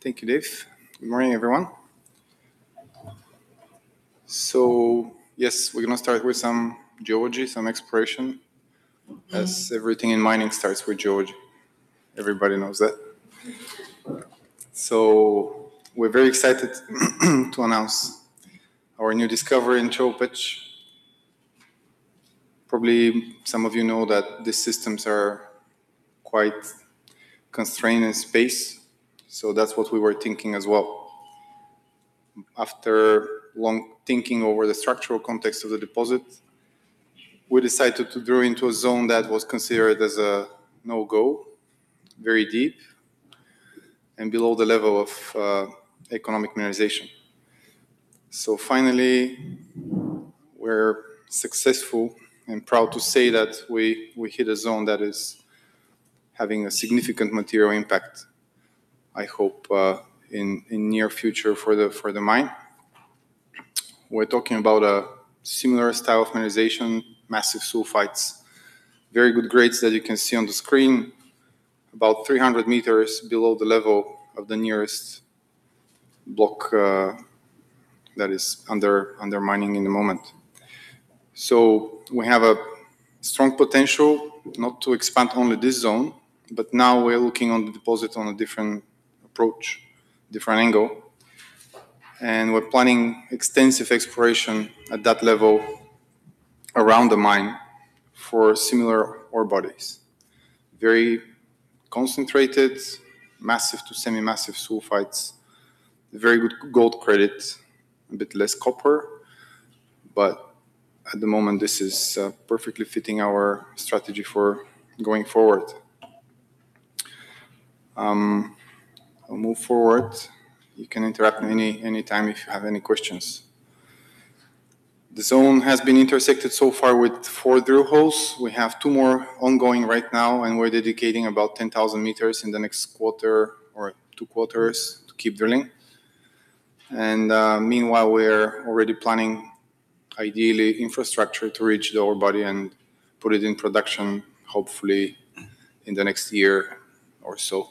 Thank you, Dave. Good morning, everyone. So, yes, we're going to start with some geology, some exploration, as everything in mining starts with geology. Everybody knows that. So we're very excited to announce our new discovery in Chelopech. Probably some of you know that these systems are quite constrained in space, so that's what we were thinking as well. After long thinking over the structural context of the deposit, we decided to drill into a zone that was considered as a no-go, very deep, and below the level of economic mineralization. So finally, we're successful and proud to say that we hit a zone that is having a significant material impact, I hope, in the near future for the mine. We're talking about a similar style of mineralization, massive sulfides, very good grades that you can see on the screen, about 300 m below the level of the nearest block that is under mining in the moment. So we have a strong potential not to expand only this zone, but now we're looking on the deposit on a different approach, different angle. And we're planning extensive exploration at that level around the mine for similar ore bodies, very concentrated, massive to semi-massive sulfides, very good gold credit, a bit less copper. But at the moment, this is perfectly fitting our strategy for going forward. I'll move forward. You can interrupt me anytime if you have any questions. The zone has been intersected so far with four drill holes. We have two more ongoing right now, and we're dedicating about 10,000 m in the next quarter or two quarters to keep drilling. And meanwhile, we're already planning, ideally, infrastructure to reach the ore body and put it in production, hopefully, in the next year or so.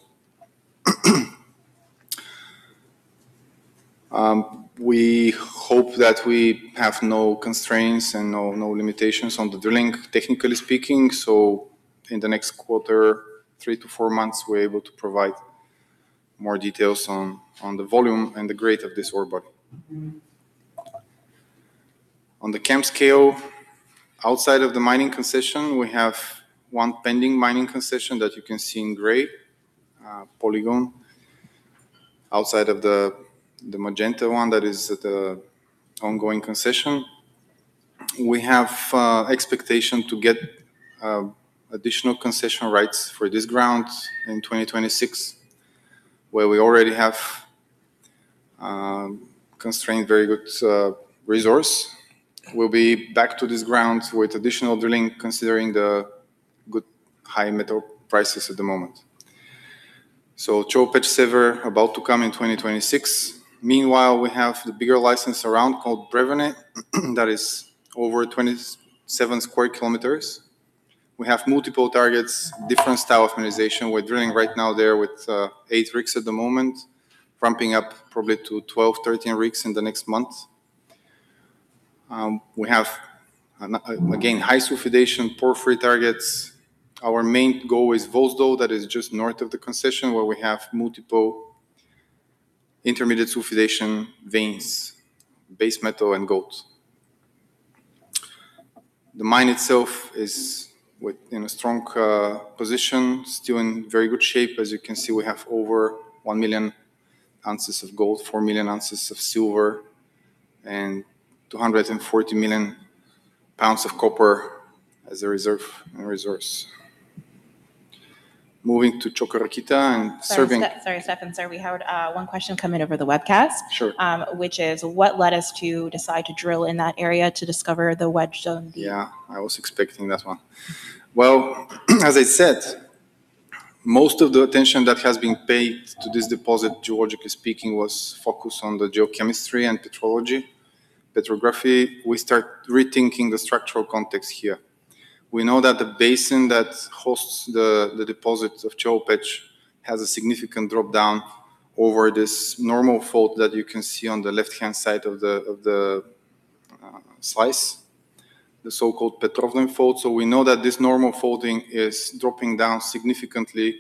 We hope that we have no constraints and no limitations on the drilling, technically speaking. So in the next quarter, three to four months, we're able to provide more details on the volume and the grade of this ore body. On the camp scale, outside of the mining concession, we have one pending mining concession that you can see in gray polygon. Outside of the magenta one that is the ongoing concession, we have expectation to get additional concession rights for this ground in 2026, where we already have contained very good resource. We'll be back to this ground with additional drilling, considering the good high metal prices at the moment, so Chelopech is ever about to come in 2026. Meanwhile, we have the bigger license around called Brevene that is over 27 sq km. We have multiple targets, different style of mineralization. We're drilling right now there with eight rigs at the moment, ramping up probably to 12-13 rigs in the next month. We have, again, high-sulfidation porphyry targets. Our main goal is Vozdol that is just north of the concession, where we have multiple intermediate sulfidation veins, base metal and gold. The mine itself is in a strong position, still in very good shape. As you can see, we have over one million ounces of gold, four million ounces of silver, and 240 million pounds of copper as a reserve. Moving to Čoka Rakita and Serbia. Sorry, Stefan. Sorry. We had one question come in over the webcast, which is, what led us to decide to drill in that area to discover the Wedge Zone? Yeah, I was expecting that one. Well, as I said, most of the attention that has been paid to this deposit, geologically speaking, was focused on the geochemistry and petrology, petrography. We start rethinking the structural context here. We know that the basin that hosts the deposits of Chelopech has a significant drop down over this normal fault that you can see on the left-hand side of the slice, the so-called Petrovden Fault. So we know that this normal faulting is dropping down significantly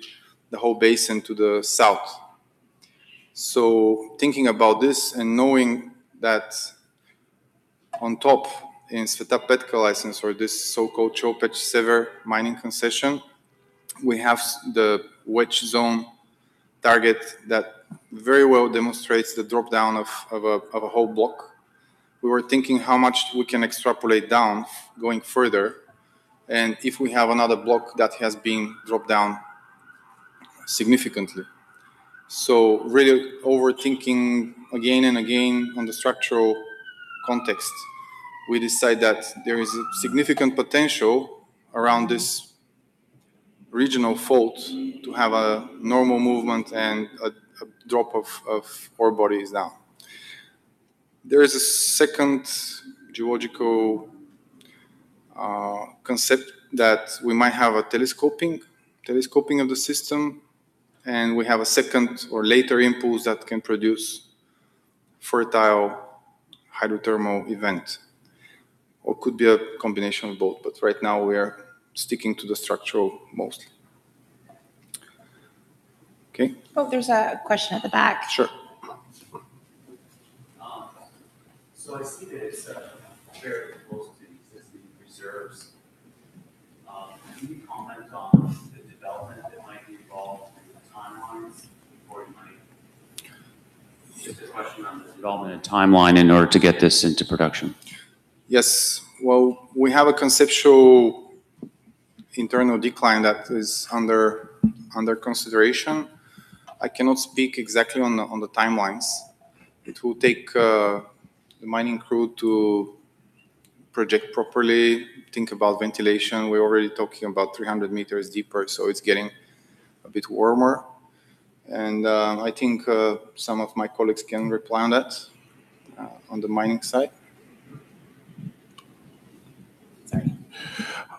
the whole basin to the south. So thinking about this and knowing that on top in Sveta Petka license, or this so-called Chelopech North mining concession, we have the Wedge Zone target that very well demonstrates the drop down of a whole block. We were thinking how much we can extrapolate down going further, and if we have another block that has been dropped down significantly. Really overthinking again and again on the structural context, we decide that there is a significant potential around this regional fault to have a normal movement and a drop of ore bodies down. There is a second geological concept that we might have a telescoping of the system, and we have a second or later impulse that can produce fertile hydrothermal event, or could be a combination of both. But right now, we are sticking to the structural mostly. Okay? Oh, there's a question at the back. Sure. So I see that it's fairly close to existing reserves. Can you comment on the development that might be involved in the timelines? Or you might just a question on the development and timeline in order to get this into production? Yes. Well, we have a conceptual internal decline that is under consideration. I cannot speak exactly on the timelines. It will take the mining crew to project properly, think about ventilation. We're already talking about 300 m deeper, so it's getting a bit warmer. And I think some of my colleagues can reply on that on the mining side.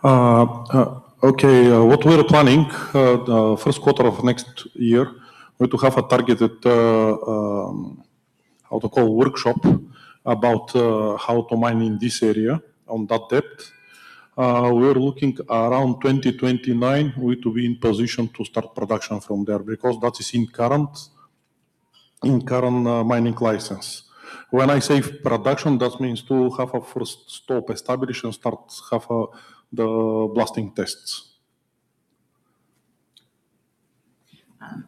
Sorry. Okay. What we are planning, the first quarter of next year, we're to have a targeted, how to call, workshop about how to mine in this area on that depth. We're looking around 2029, we're to be in position to start production from there because that is in current mining license. When I say production, that means to have a first stope established and start half of the blasting tests.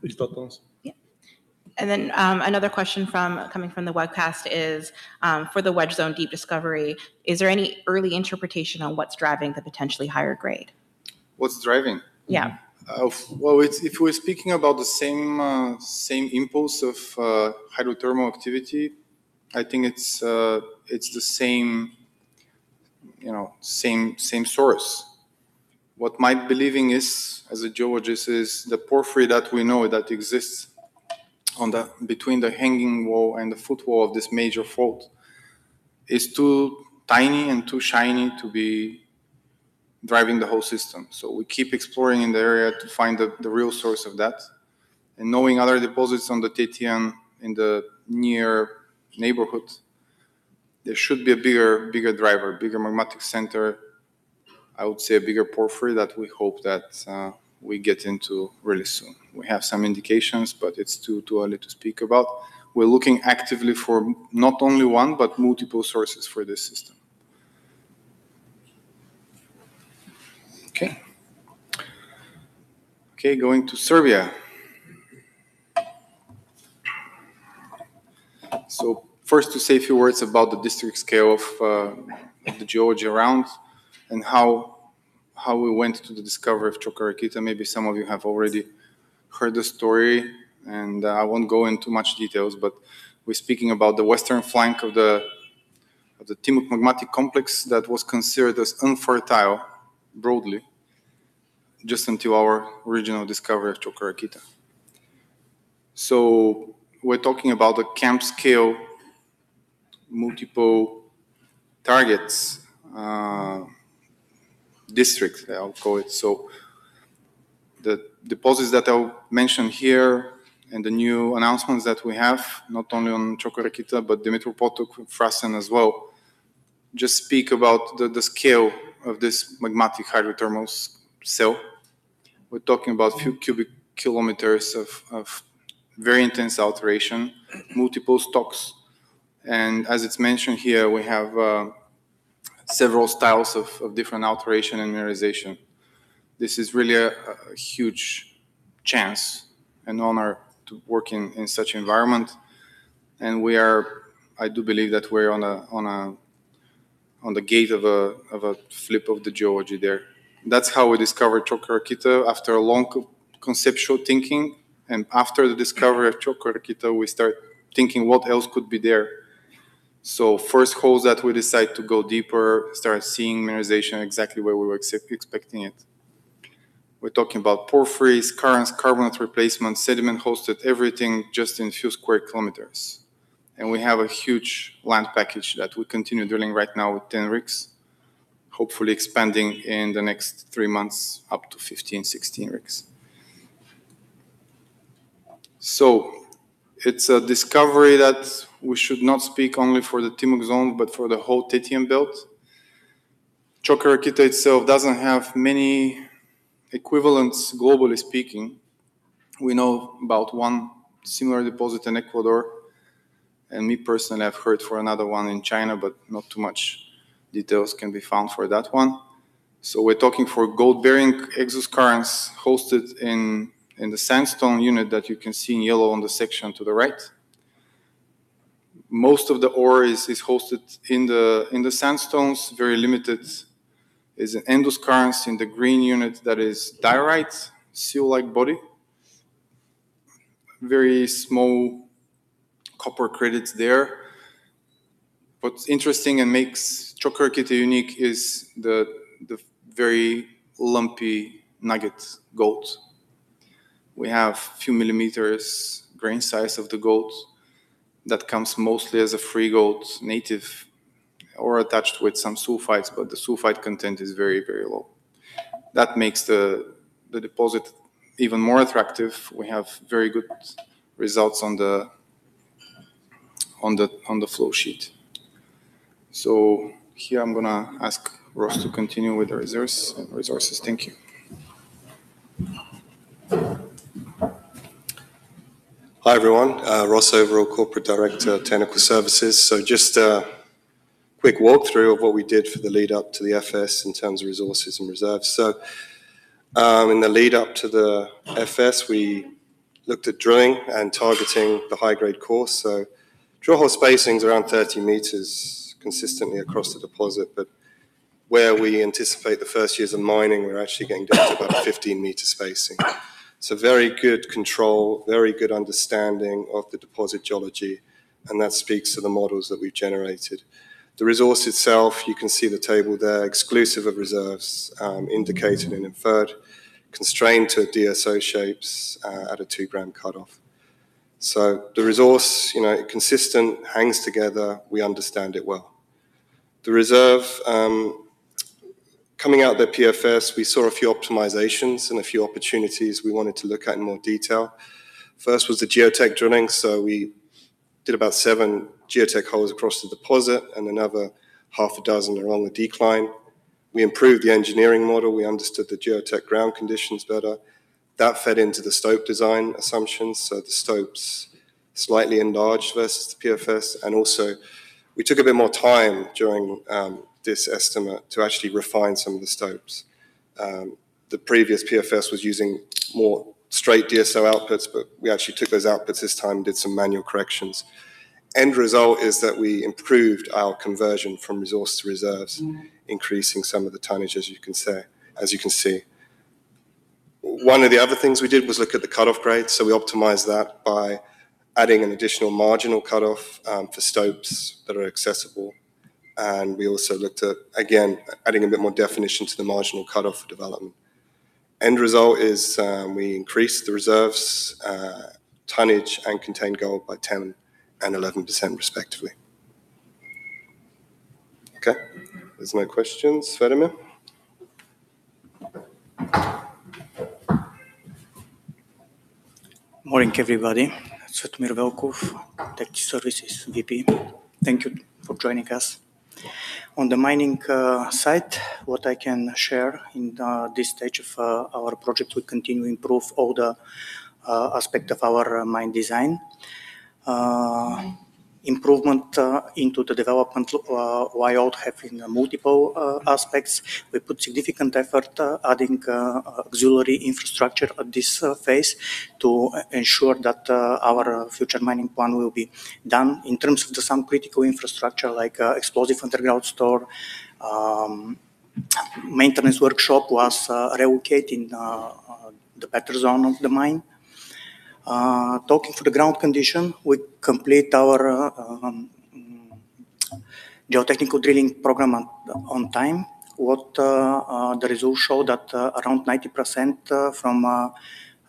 Is that answer? Yeah. And then another question coming from the webcast is, for the Wedge Zone deep discovery, is there any early interpretation on what's driving the potentially higher grade? What's driving? Yeah. If we're speaking about the same impulse of hydrothermal activity, I think it's the same source. What my believing is, as a geologist, is the porphyry that we know that exists between the hanging wall and the foot wall of this major fault is too tiny and too shiny to be driving the whole system. So we keep exploring in the area to find the real source of that. And knowing other deposits on the Tethyan in the near neighborhood, there should be a bigger driver, bigger magmatic center. I would say a bigger porphyry that we hope that we get into really soon. We have some indications, but it's too early to speak about. We're looking actively for not only one, but multiple sources for this system. Okay. Okay, going to Serbia. So first, to say a few words about the district scale of the geology around and how we went to the discovery of Čoka Rakita. Maybe some of you have already heard the story, and I won't go into much details, but we're speaking about the western flank of the Timok Magmatic Complex that was considered as unfertile broadly just until our original discovery of Čoka Rakita. So we're talking about a km scale multiple targets district, I'll call it. So the deposits that I'll mention here and the new announcements that we have, not only on Čoka Rakita, but Dumitru Potok and Frasin as well, just speak about the scale of this magmatic hydrothermal cell. We're talking about a few cubic kilometers of very intense alteration, multiple stocks. And as it's mentioned here, we have several styles of different alteration and mineralization. This is really a huge chance and honor to work in such an environment. And I do believe that we're on the gate of a flip of the geology there. That's how we discovered Čoka Rakita. After a long conceptual thinking and after the discovery of Čoka Rakita, we start thinking what else could be there. So first holes that we decide to go deeper, start seeing mineralization exactly where we were expecting it. We're talking about porphyry, currents, carbonate replacement, sediment hosted, everything just in a few square kilometers. And we have a huge land package that we continue drilling right now with 10 rigs, hopefully expanding in the next three months up to 15, 16 rigs. So it's a discovery that we should not speak only for the Timok Zone, but for the whole Tethyan Belt. Čoka Rakita itself doesn't have many equivalents, globally speaking. We know about one similar deposit in Ecuador, and me personally, I've heard for another one in China, but not too much details can be found for that one. We're talking for gold-bearing exoskarns hosted in the sandstone unit that you can see in yellow on the section to the right. Most of the ore is hosted in the sandstones. Very limited is an endoskarns in the green unit that is diorite, sill-like body. Very small copper credits there. What's interesting and makes Čoka Rakita unique is the very lumpy nugget gold. We have a few millimeters grain size of the gold that comes mostly as a free gold native or attached with some sulfides, but the sulfide content is very, very low. That makes the deposit even more attractive. We have very good results on the flowsheet. So here, I'm going to ask Ross to continue with the resources. Thank you. Hi, everyone. Ross Overall, Corporate Director, Technical Services. So just a quick walkthrough of what we did for the lead-up to the FS in terms of resources and reserves. So in the lead-up to the FS, we looked at drilling and targeting the high-grade core. So drill hole spacing is around 30 m consistently across the deposit, but where we anticipate the first years of mining, we're actually getting down to about 15 m spacing. So very good control, very good understanding of the deposit geology, and that speaks to the models that we've generated. The resource itself, you can see the table there, exclusive of reserves, indicated and inferred, constrained to DSO shapes at a 2 g cutoff. So the resource, consistent, hangs together. We understand it well. The reserve coming out of the PFS, we saw a few optimizations and a few opportunities we wanted to look at in more detail. First was the geotech drilling. So we did about seven geotech holes across the deposit and another half a dozen along the decline. We improved the engineering model. We understood the geotech ground conditions better. That fed into the stope design assumptions. So the stopes slightly enlarged versus the PFS. And also, we took a bit more time during this estimate to actually refine some of the stopes. The previous PFS was using more straight DSO outputs, but we actually took those outputs this time and did some manual corrections. End result is that we improved our conversion from resource to reserves, increasing some of the tonnage, as you can see. One of the other things we did was look at the cutoff grade. So we optimized that by adding an additional marginal cutoff for stopes that are accessible. And we also looked at, again, adding a bit more definition to the marginal cutoff for development. End result is we increased the reserves, tonnage, and contained gold by 10% and 11%, respectively. Okay. There's no questions. Tsvetomir? Morning, everybody. Tsvetomir Velkov, Vice President, Technical Services. Thank you for joining us. On the mining side, what I can share in this stage of our project, we continue to improve all the aspects of our mine design. Improvement into the development while having multiple aspects. We put significant effort adding auxiliary infrastructure at this phase to ensure that our future mining plan will be done in terms of the some critical infrastructure like explosive underground store. Maintenance workshop was relocating the battery zone of the mine. Talking for the ground condition, we complete our geotechnical drilling program on time. What the results show that around 90% from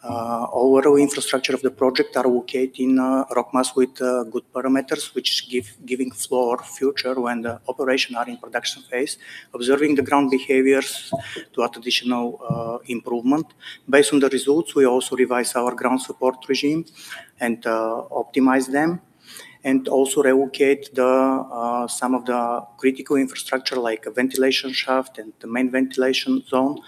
overall infrastructure of the project are located in rock mass with good params, which is giving floor future when the operation are in production phase, observing the ground behaviors to add additional improvement. Based on the results, we also revise our ground support regime and optimize them and also relocate some of the critical infrastructure like ventilation shaft and the main ventilation zone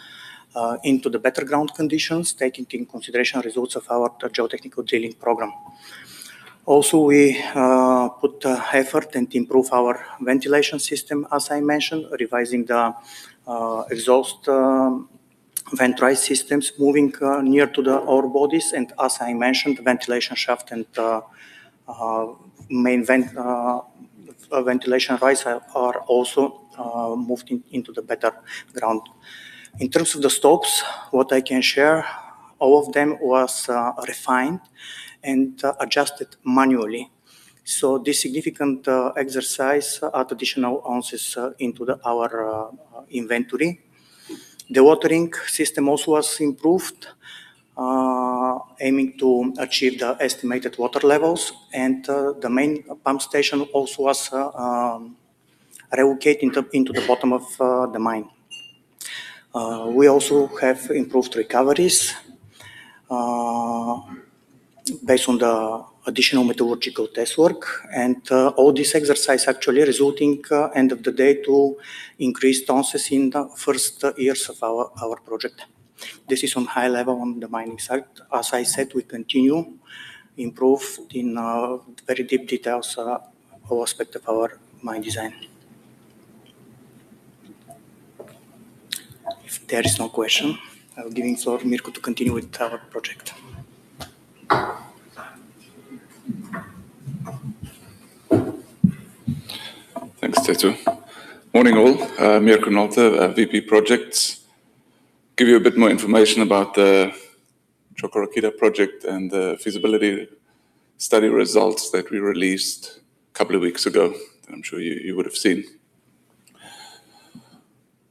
into the better ground conditions, taking into consideration results of our geotechnical drilling program. Also, we put effort and improve our ventilation system, as I mentioned, revising the exhaust vent raise systems, moving near to the ore bodies, and as I mentioned, ventilation shaft and main ventilation raise are also moved into the better ground. In terms of the stopes, what I can share, all of them was refined and adjusted manually, so this significant exercise added additional ounces into our inventory. The watering system also was improved, aiming to achieve the estimated water levels, and the main pump station also was relocated into the bottom of the mine. We also have improved recoveries based on the additional metallurgical test work, and all this exercise actually resulting, end of the day, to increased ounces in the first years of our project. This is on high level on the mining side. As I said, we continue to improve in very deep details all aspects of our mine design. If there is no question, I'll give it to Mirco to continue with our project. Thanks, Tsvetomir. Morning, all. Mirco Nolte, VP Projects. Give you a bit more information about the Čoka Rakita project and the feasibility study results that we released a couple of weeks ago. I'm sure you would have seen.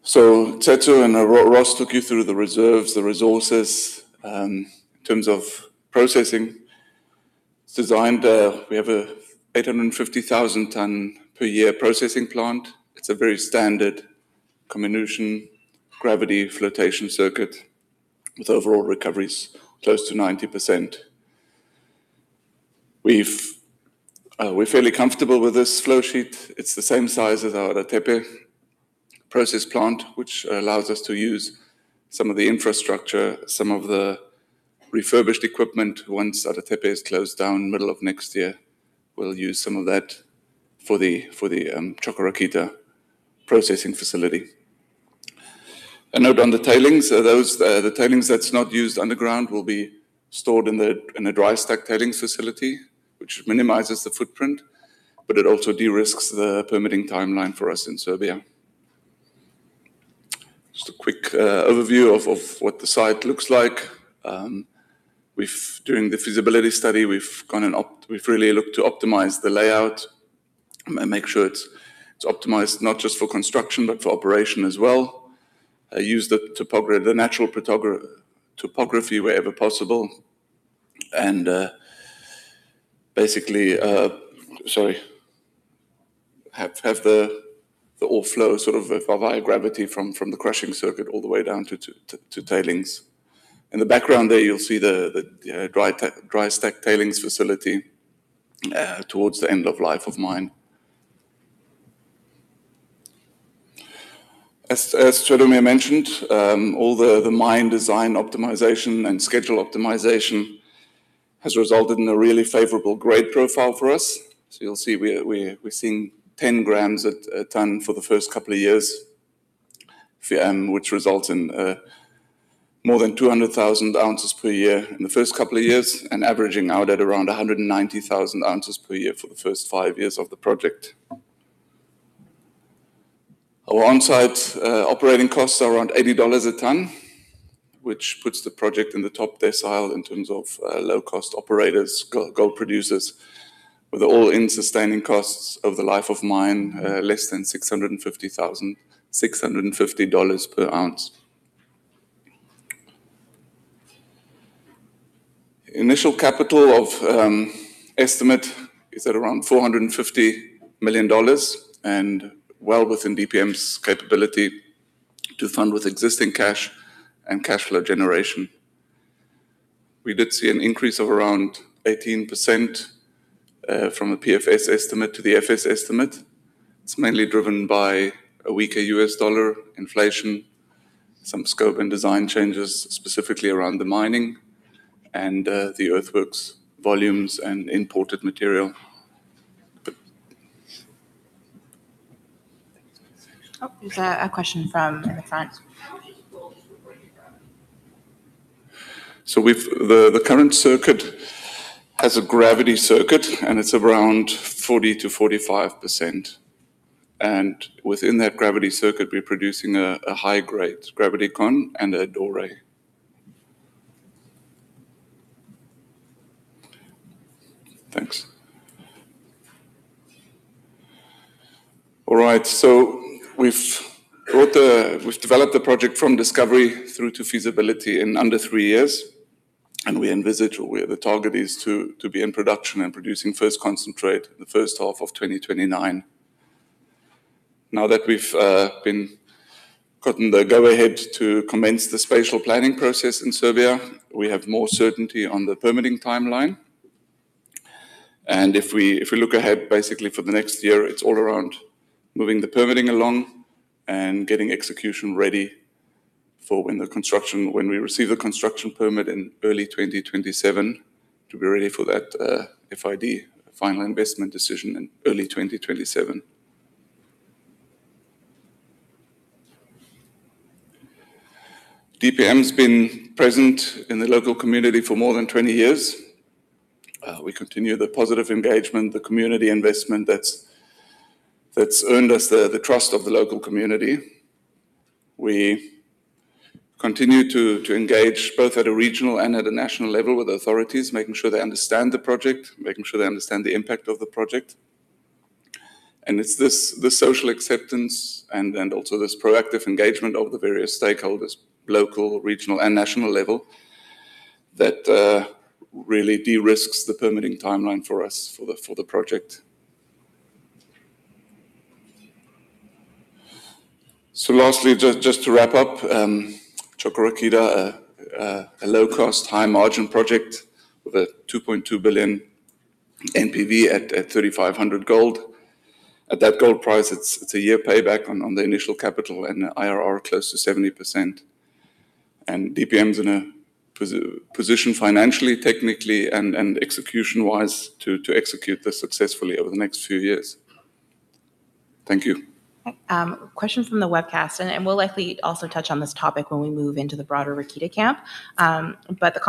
So Tsvetomir and Ross took you through the reserves, the resources in terms of processing. It's designed. We have an 850,000-ton per year processing plant. It's a very standard comminution gravity flotation circuit with overall recoveries close to 90%. We're fairly comfortable with this flow sheet. It's the same size as our Ada Tepe process plant, which allows us to use some of the infrastructure, some of the refurbished equipment. Once Ada Tepe is closed down, middle of next year, we'll use some of that for the Čoka Rakita processing facility. A note on the tailings. The tailings that's not used underground will be stored in a dry stack tailings facility, which minimizes the footprint, but it also de-risks the permitting timeline for us in Serbia. Just a quick overview of what the site looks like. During the feasibility study, we've really looked to optimize the layout and make sure it's optimized not just for construction, but for operation as well. Use the natural topography wherever possible, and basically, sorry, have the ore flow sort of via gravity from the crushing circuit all the way down to tailings. In the background there, you'll see the dry stack tailings facility towards the end of life of mine. As Tsvetomir mentioned, all the mine design optimization and schedule optimization has resulted in a really favorable grade profile for us. So you'll see we're seeing 10g a ton for the first couple of years, which results in more than 200,000 ounces per year in the first couple of years and averaging out at around 190,000 ounces per year for the first five years of the project. Our on-site operating costs are around $80 a ton, which puts the project in the top decile in terms of low-cost operators, gold producers, with all in sustaining costs over the life of mine less than $650 per ounce. Initial capital estimate is at around $450 million and well within DPM's capability to fund with existing cash and cash flow generation. We did see an increase of around 18% from the PFS estimate to the FS estimate. It's mainly driven by a weaker U.S. dollar, inflation, some scope and design changes specifically around the mining and the earthworks volumes and imported material. There's a question from the front. The current circuit has a gravity circuit, and it's around 40%-45%. And within that gravity circuit, we're producing a high-grade gravity con and a doré. Thanks. All right. We've developed the project from discovery through to feasibility in under three years. And we envisage where the target is to be in production and producing first concentrate in the first half of 2029. Now that we've gotten the go-ahead to commence the spatial planning process in Serbia, we have more certainty on the permitting timeline. And if we look ahead, basically for the next year, it's all around moving the permitting along and getting execution ready for when we receive the construction permit in early 2027 to be ready for that FID, final investment decision in early 2027. DPM has been present in the local community for more than 20 years. We continue the positive engagement, the community investment that's earned us the trust of the local community. We continue to engage both at a regional and at a national level with authorities, making sure they understand the project, making sure they understand the impact of the project. And it's this social acceptance and also this proactive engagement of the various stakeholders, local, regional, and national level that really de-risks the permitting timeline for us for the project. So lastly, just to wrap up, Čoka Rakita, a low-cost, high-margin project with a $2.2 billion NPV at $3,500 gold. At that gold price, it's a year payback on the initial capital and IRR close to 70%. And DPM is in a position financially, technically, and execution-wise to execute this successfully over the next few years. Thank you. Question from the webcast. And we'll likely also touch on this topic when we move into the broader Rakita camp. But the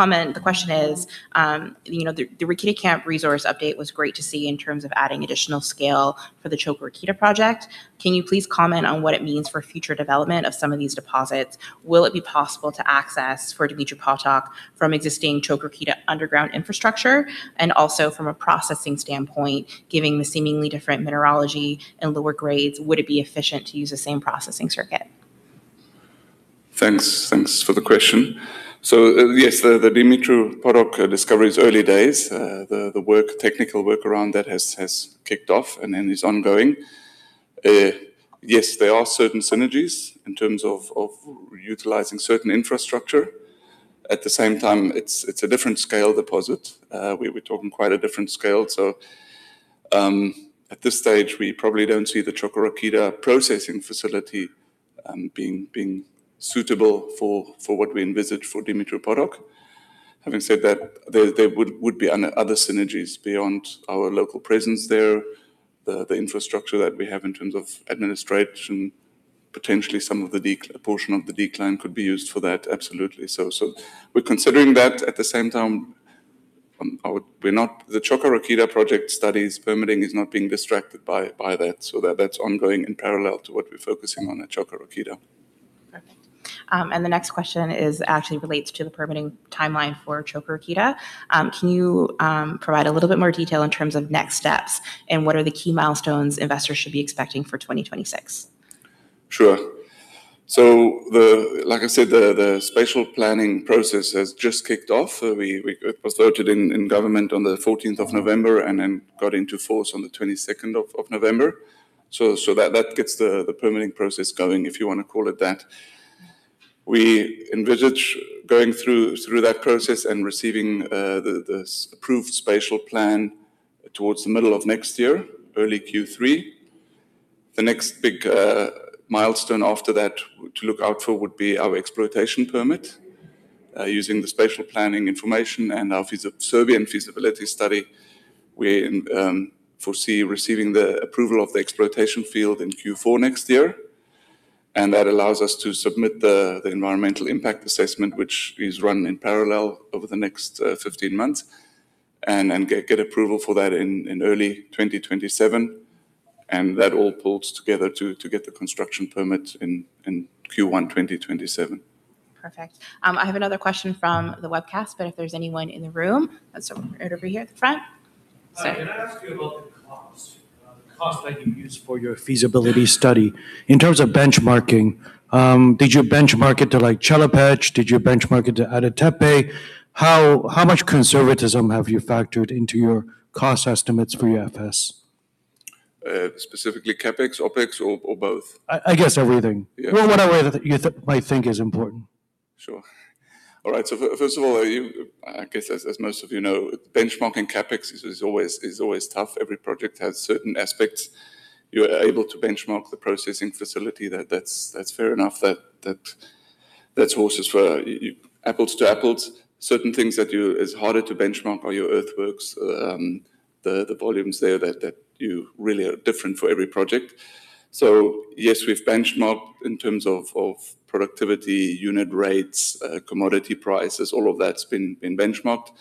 question is, the Rakita camp resource update was great to see in terms of adding additional scale for the Čoka Rakita project. Can you please comment on what it means for future development of some of these deposits? Will it be possible to access for Dumitru Potok from existing Čoka Rakita underground infrastructure? And also from a processing standpoint, given the seemingly different mineralogy and lower grades, would it be efficient to use the same processing circuit? Thanks for the question. So yes, the Dumitru Potok discovery's early days, the technical work around that has kicked off and is ongoing. Yes, there are certain synergies in terms of utilizing certain infrastructure. At the same time, it's a different scale deposit. We're talking quite a different scale. So at this stage, we probably don't see the Čoka Rakita processing facility being suitable for what we envisage for Dumitru Potok. Having said that, there would be other synergies beyond our local presence there. The infrastructure that we have in terms of administration, potentially some of the portion of the decline could be used for that, absolutely. So we're considering that. At the same time, the Čoka Rakita project studies permitting is not being distracted by that. So that's ongoing in parallel to what we're focusing on at Čoka Rakita. Perfect. And the next question actually relates to the permitting timeline for Čoka Rakita. Can you provide a little bit more detail in terms of next steps and what are the key milestones investors should be expecting for 2026? Sure. So like I said, the Spatial Plan process has just kicked off. It was voted in government on the 14th of November and then got into force on the 22nd of November. So that gets the permitting process going, if you want to call it that. We envisage going through that process and receiving the approved Spatial Plan towards the middle of next year, early Q3. The next big milestone after that to look out for would be our exploitation permit. Using the Spatial Plan information and our Serbian feasibility study, we foresee receiving the approval of the exploitation field in Q4 next year. And that allows us to submit the environmental impact assessment, which is run in parallel over the next 15 months and get approval for that in early 2027. And that all pulls together to get the construction permit in Q1 2027. Perfect. I have another question from the webcast, but if there's anyone in the room, that's over here at the front. Can I ask you about the cost, the cost that you use for your feasibility study? In terms of benchmarking, did you benchmark it to Chelopech? Did you benchmark it to Ada Tepe? How much conservatism have you factored into your cost estimates for your FS? Specifically CapEx, OpEx, or both? I guess everything. Whatever you might think is important. Sure. All right. So first of all, I guess as most of you know, benchmarking CapEx is always tough. Every project has certain aspects. You are able to benchmark the processing facility. That's fair enough. That's apples to apples. Certain things that it's harder to benchmark are your earthworks, the volumes there that really are different for every project. So yes, we've benchmarked in terms of productivity, unit rates, commodity prices. All of that's been benchmarked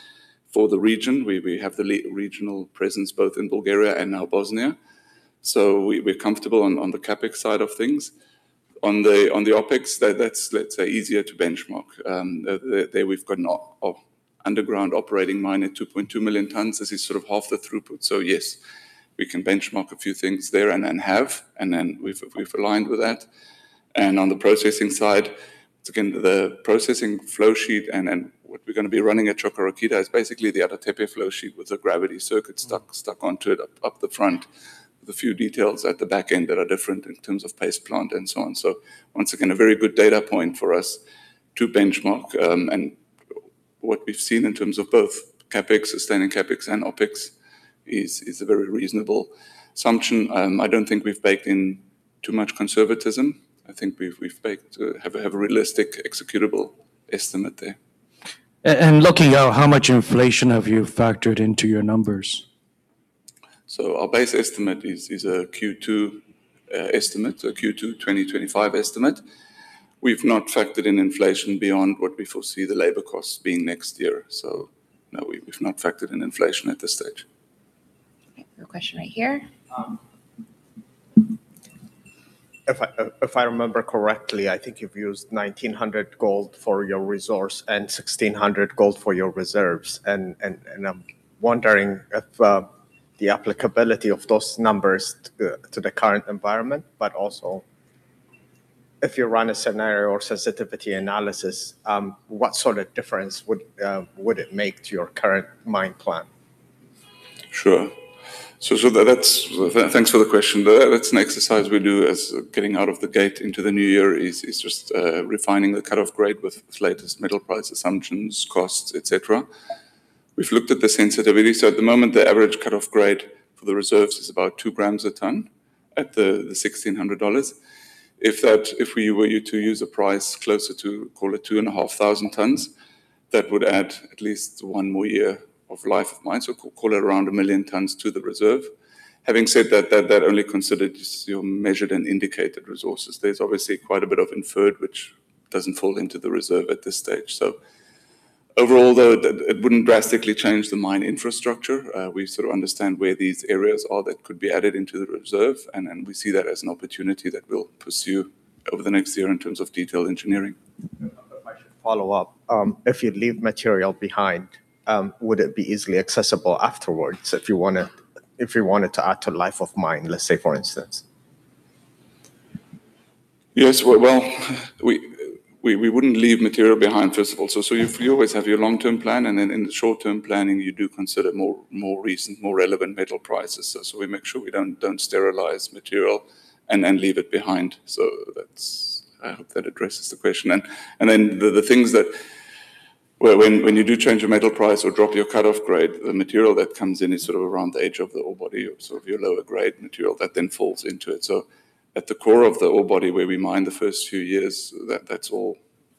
for the region. We have the regional presence both in Bulgaria and now Bosnia. So we're comfortable on the CapEx side of things. On the OpEx, that's, let's say, easier to benchmark. There we've got an underground operating mine at 2.2 million tonnes. This is sort of half the throughput. So yes, we can benchmark a few things there and have and then we've aligned with that. On the processing side, again, the processing flow sheet and what we're going to be running at Čoka Rakita is basically the Ada Tepe flow sheet with the gravity circuit stuck onto it up the front with a few details at the back end that are different in terms of paste plant and so on. So once again, a very good data point for us to benchmark. And what we've seen in terms of both CapEx, sustaining CapEx, and OpEx is a very reasonable assumption. I don't think we've baked in too much conservatism. I think we've baked a realistic executable estimate there. Looking at how much inflation have you factored into your numbers? Our base estimate is a Q2 estimate, a Q2 2025 estimate. We've not factored in inflation beyond what we foresee the labor costs being next year. So no, we've not factored in inflation at this stage. Question right here. If I remember correctly, I think you've used $1,900 gold for your resource and $1,600 gold for your reserves. And I'm wondering if the applicability of those numbers to the current environment, but also if you run a scenario or sensitivity analysis, what sort of difference would it make to your current mine plan? Sure. So thanks for the question. That's an exercise we do as getting out of the gate into the new year is just refining the cut-off grade with the latest metal price assumptions, costs, etc. We've looked at the sensitivity. So at the moment, the average cut-off grade for the reserves is about 2g a ton at the $1,600. If we were to use a price closer to, call it, $2,500, that would add at least one more year of life of mine. So call it around a million tonnes to the reserve. Having said that, that only considers your measured and indicated resources. There's obviously quite a bit of inferred, which doesn't fall into the reserve at this stage. So overall, though, it wouldn't drastically change the mine infrastructure. We sort of understand where these areas are that could be added into the reserve. We see that as an opportunity that we'll pursue over the next year in terms of detailed engineering. If I should follow up, if you'd leave material behind, would it be easily accessible afterwards if you wanted to add to life of mine, let's say, for instance? Yes. Well, we wouldn't leave material behind, first of all. So you always have your long-term plan. And in the short-term planning, you do consider more recent, more relevant metal prices. So we make sure we don't sterilize material and leave it behind. So I hope that addresses the question. And then the things that when you do change your metal price or drop your cut-off grade, the material that comes in is sort of around the edge of the ore body, sort of your lower-grade material that then falls into it. So at the core of the ore body, where we mine the first few years, that's all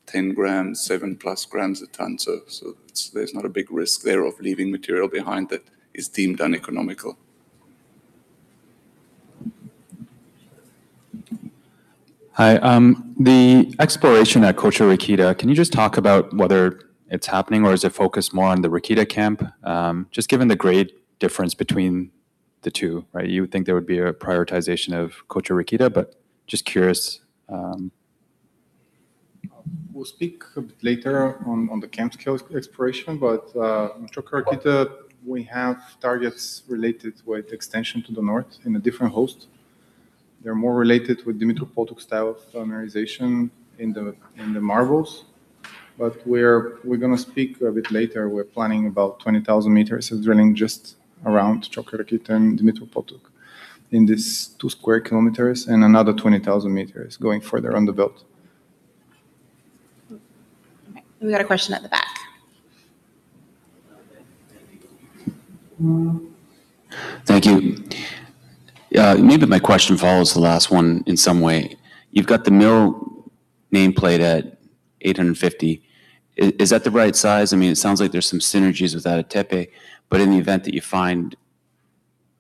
10 g, 7+g a ton. So there's not a big risk there of leaving material behind that is deemed uneconomical. Hi. The exploration at Čoka Rakita, can you just talk about whether it's happening or is it focused more on the Rakita camp? Just given the grade difference between the two, right? You would think there would be a prioritization of Čoka Rakita, but just curious. We'll speak a bit later on the camp scale exploration. But Čoka Rakita, we have targets related with extension to the north in a different host. They're more related with Dumitru Potok style of mineralization in the marbles. But we're going to speak a bit later. We're planning about 20,000 m of drilling just around Čoka Rakita and Dumitru Potok in these 2 sq km and another 20,000 m going further afield. We got a question at the back. Thank you. Maybe my question follows the last one in some way. You've got the mill nameplate at 850. Is that the right size? I mean, it sounds like there's some synergies with Ada Tepe. But in the event that you find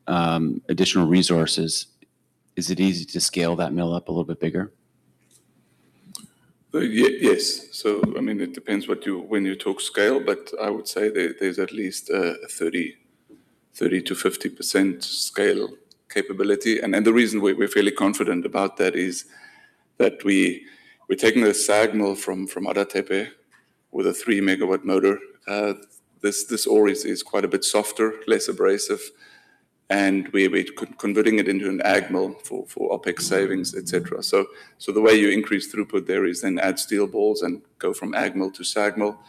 additional resources, is it easy to scale that mill up a little bit bigger? Yes. So I mean, it depends when you talk scale, but I would say there's at least a 30%-50% scale capability. And the reason we're fairly confident about that is that we're taking a SAG mill from Ada Tepe with a 3 MW motor. This ore is quite a bit softer, less abrasive. And we're converting it into an AG mill for OpEx savings, etc. So the way you increase throughput there is then add steel balls and go from AG mill to SAG mill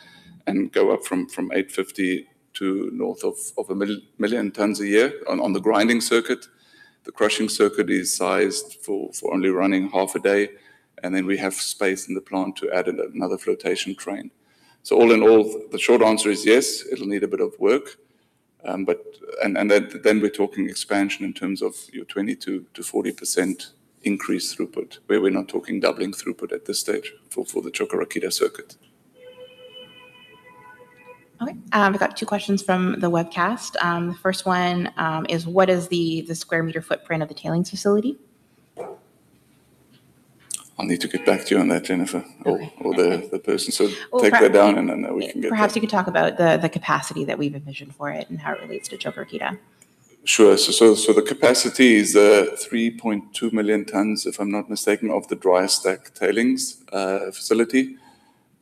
and go up from 850 to north of a million tonnes a year on the grinding circuit. The crushing circuit is sized for only running half a day. And then we have space in the plant to add another flotation train. So all in all, the short answer is yes, it'll need a bit of work. And then we're talking expansion in terms of your 20%-40% increased throughput, where we're not talking doubling throughput at this stage for the Čoka Rakita circuit. Okay. We've got two questions from the webcast. The first one is, what is the square m footprint of the tailings facility? I'll need to get back to you on that, Jennifer, or the person, so take that down and then we can get to it. Perhaps you could talk about the capacity that we've envisioned for it and how it relates to Čoka Rakita. Sure. So the capacity is 3.2 million tonnes, if I'm not mistaken, of the dry stack tailings facility.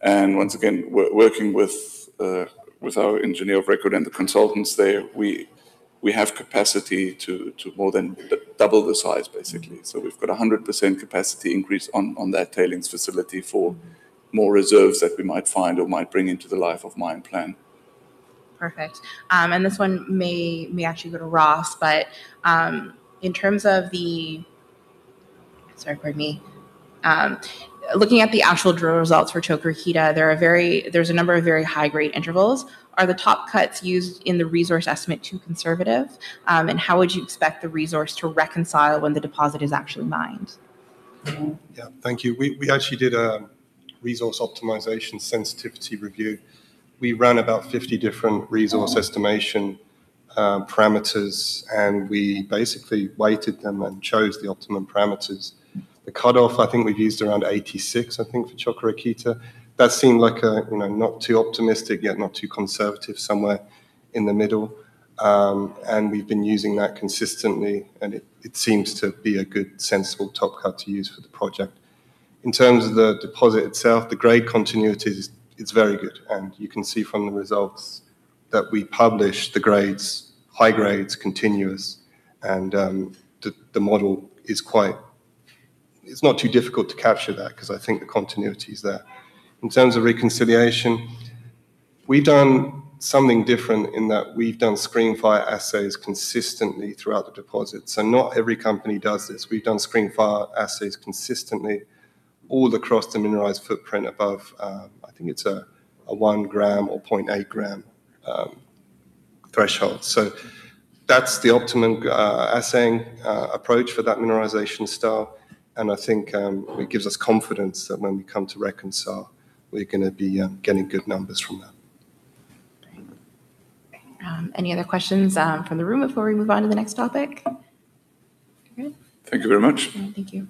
And once again, working with our engineer of record and the consultants there, we have capacity to more than double the size, basically. So we've got a 100% capacity increase on that tailings facility for more reserves that we might find or might bring into the life of mine plan. Perfect. And this one may actually go to Ross, but in terms of the, sorry, pardon me, looking at the actual drill results for Čoka Rakita, there's a number of very high-grade intervals. Are the top cuts used in the resource estimate too conservative? And how would you expect the resource to reconcile when the deposit is actually mined? Yeah. Thank you. We actually did a resource optimization sensitivity review. We ran about 50 different resource estimation params, and we basically weighted them and chose the optimum params. The cutoff, I think we've used around 86, I think, for Čoka Rakita. That seemed like a not too optimistic, yet not too conservative somewhere in the middle, and we've been using that consistently, and it seems to be a good, sensible top cut to use for the project. In terms of the deposit itself, the grade continuity is very good, and you can see from the results that we published the grades, high grades, continuous, and the model is not too difficult to capture that because I think the continuity is there. In terms of reconciliation, we've done something different in that we've done screen fire assays consistently throughout the deposit. So not every company does this. We've done screen fire assays consistently all across the mineralized footprint above, I think it's a 1 g or 0.8 g threshold. So that's the optimum assaying approach for that mineralization style. And I think it gives us confidence that when we come to reconcile, we're going to be getting good numbers from that. Great. Any other questions from the room before we move on to the next topic? Thank you very much. Thank you.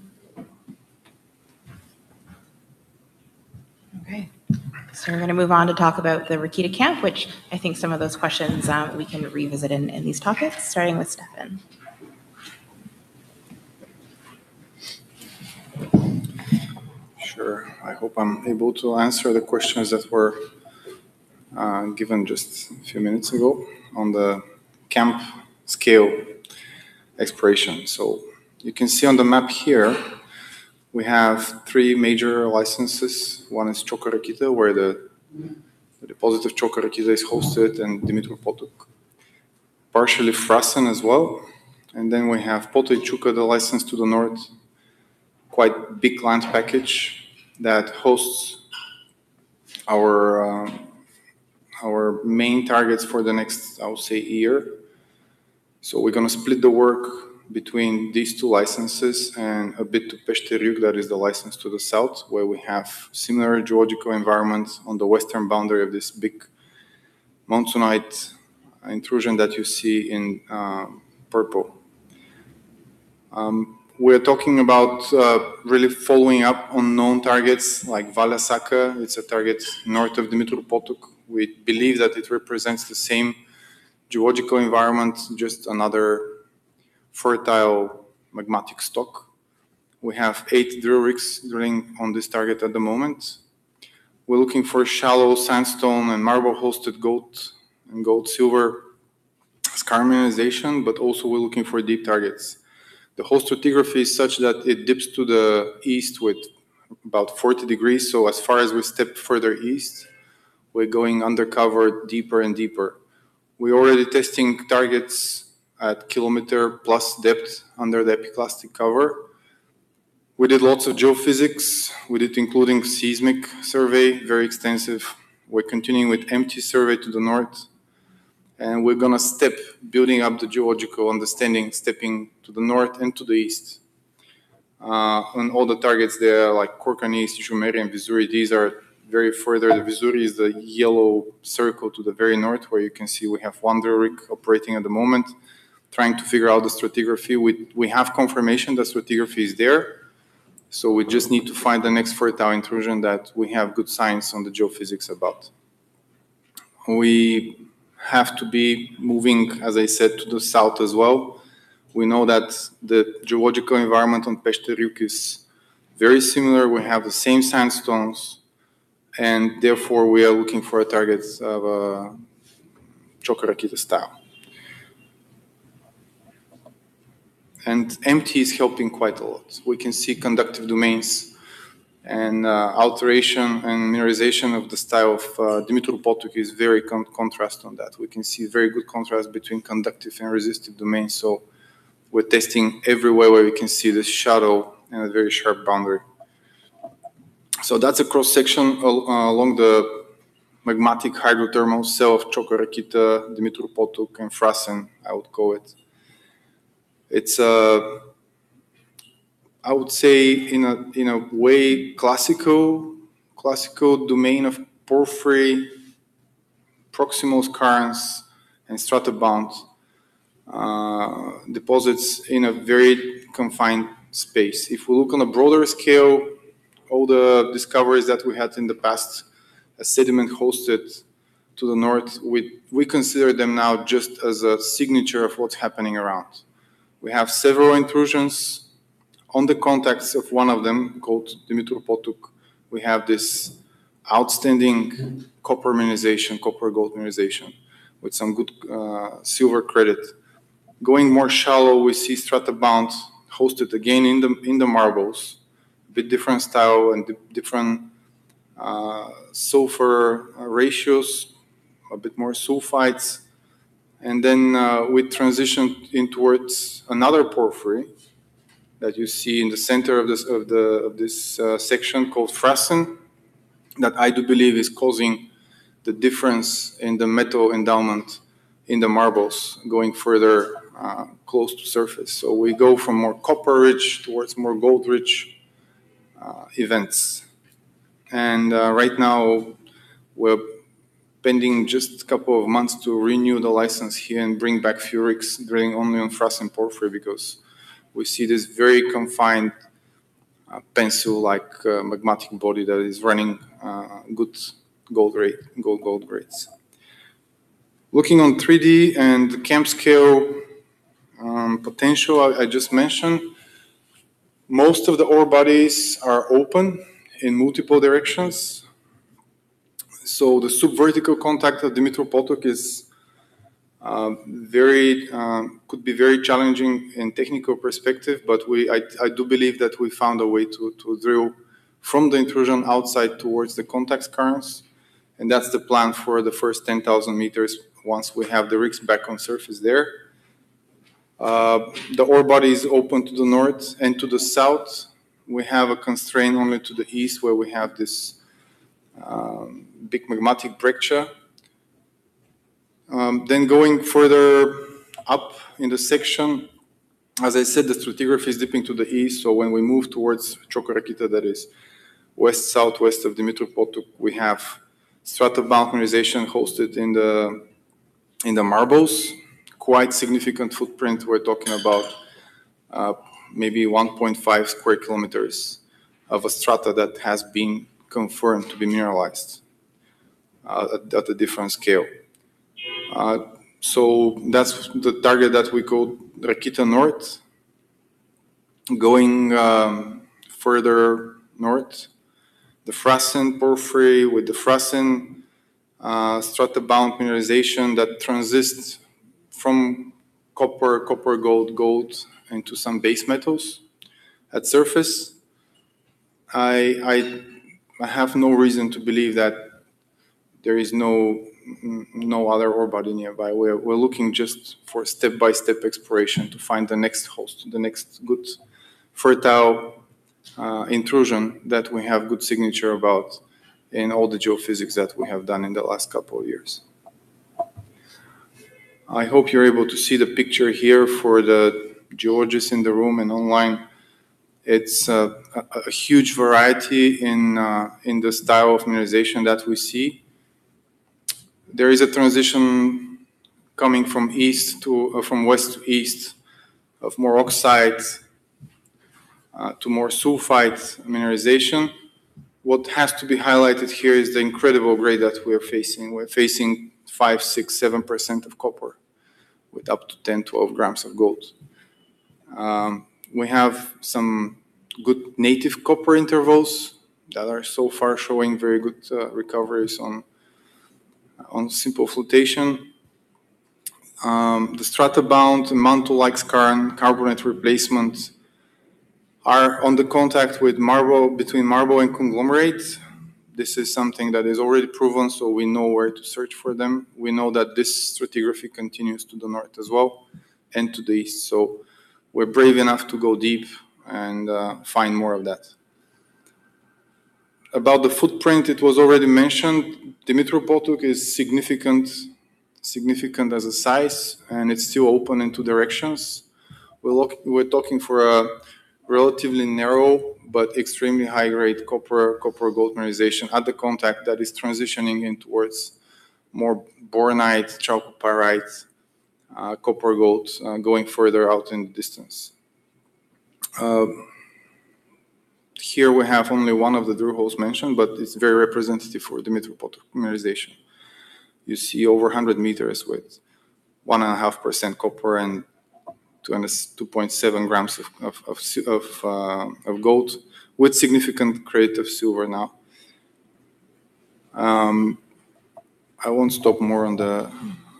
Okay. So we're going to move on to talk about the Rakita camp, which I think some of those questions we can revisit in these topics, starting with Stefan. Sure. I hope I'm able to answer the questions that were given just a few minutes ago on the camp scale exploration. So you can see on the map here, we have three major licenses. One is Čoka Rakita, where the deposit of Čoka Rakita is hosted, and Dumitru Potok partially Frasin as well. And then we have Potaj Čuka, the license to the north, quite a big land package that hosts our main targets for the next, I would say, year. So we're going to split the work between these two licenses and a bit to Pešter Jug, that is the license to the south, where we have similar geological environments on the western boundary of this big monzonite intrusion that you see in purple. We're talking about really following up on known targets like Valja Saka. It's a target north of Dumitru Potok. We believe that it represents the same geological environment, just another fertile magmatic stock. We have eight drill rigs drilling on this target at the moment. We're looking for shallow sandstone and marble-hosted gold and gold-silver skarn mineralization, but also we're looking for deep targets. The host stratigraphy is such that it dips to the east with about 40 degrees. So as far as we step further east, we're going undercover deeper and deeper. We're already testing targets at kilometer-plus depth under the epiclastic cover. We did lots of geophysics. We did including seismic survey, very extensive. We're continuing with MT survey to the north. And we're going to step, building up the geological understanding, stepping to the north and to the east. On all the targets there, like Korkan East, Umjari, and Visovi, these are very further. The Visovi is the yellow circle to the very north, where you can see we have one drill rig operating at the moment, trying to figure out the stratigraphy. We have confirmation that stratigraphy is there, so we just need to find the next fertile intrusion that we have good science on the geophysics about. We have to be moving, as I said, to the south as well. We know that the geological environment on Pešter Jug is very similar. We have the same sandstones, and therefore we are looking for targets of Čoka Rakita style, and MT is helping quite a lot. We can see conductive domains and alteration and mineralization of the style of Dumitru Potok is very contrasting on that. We can see very good contrast between conductive and resistive domains, so we're testing everywhere where we can see the shadow and a very sharp boundary. That's a cross-section along the magmatic hydrothermal cell of Čoka Rakita, Dumitru Potok, and Frasin, I would call it. It's, I would say, in a way, classic domain of porphyry, proximal skarns, and stratabound deposits in a very confined space. If we look on a broader scale, all the discoveries that we had in the past, sediment-hosted to the north, we consider them now just as a signature of what's happening around. We have several intrusions. In the context of one of them, called Dumitru Potok, we have this outstanding copper mineralization, copper-gold mineralization, with some good silver credit. Going more shallow, we see stratabound-hosted again in the marbles, a bit different style and different sulfur ratios, a bit more sulfides. And then we transitioned in towards another porphyry that you see in the center of this section called Frasin, that I do believe is causing the difference in the metal endowment in the marbles going further close to surface. So we go from more copper-rich towards more gold-rich events. And right now, we're pending just a couple of months to renew the license here and bring back for this drilling only on Frasin porphyry because we see this very confined pencil-like magmatic body that is running good gold grades. Looking on 3D and the camp scale potential I just mentioned, most of the ore bodies are open in multiple directions. So the subvertical contact of Dumitru Potok could be very challenging in technical perspective, but I do believe that we found a way to drill from the intrusion outside towards the contact currents. And that's the plan for the first 10,000 m once we have the rigs back on surface there. The ore body is open to the north and to the south. We have a constraint only to the east, where we have this big magmatic breccia. Then going further up in the section, as I said, the stratigraphy is dipping to the east. So when we move towards Čoka Rakita, that is west-southwest of Dumitru Potok, we have stratabound mineralization hosted in the marbles. Quite significant footprint. We're talking about maybe 1.5 sq km of a strata that has been confirmed to be mineralized at a different scale. So that's the target that we called Rakita North. Going further north, the Frasin porphyry with the Frasin stratabound mineralization that transitions from copper, copper, gold, gold, and to some base metals at surface. I have no reason to believe that there is no other ore body nearby. We're looking just for step-by-step exploration to find the next host, the next good fertile intrusion that we have good signature about in all the geophysics that we have done in the last couple of years. I hope you're able to see the picture here for the geologists in the room and online. It's a huge variety in the style of mineralization that we see. There is a transition coming from west to east of more oxide to more sulfide mineralization. What has to be highlighted here is the incredible grade that we are facing. We're facing 5%-7% copper with up to 10 g-12 g of gold. We have some good native copper intervals that are so far showing very good recoveries on simple flotation. The stratabound mantle-like skarn and carbonate replacement are on the contact between marble and conglomerate. This is something that is already proven, so we know where to search for them. We know that this stratigraphy continues to the north as well and to the east. So we're brave enough to go deep and find more of that. About the footprint, it was already mentioned. Dumitru Potok is significant as a size, and it's still open in two directions. We're talking for a relatively narrow but extremely high-grade copper-gold mineralization at the contact that is transitioning in towards more bornite, chalcopyrite, copper-gold going further out in the distance. Here we have only one of the drill holes mentioned, but it's very representative for Dumitru Potok mineralization. You see over 100 m with 1.5% copper and 2.7 g of gold with significant grade of silver now. I won't stop more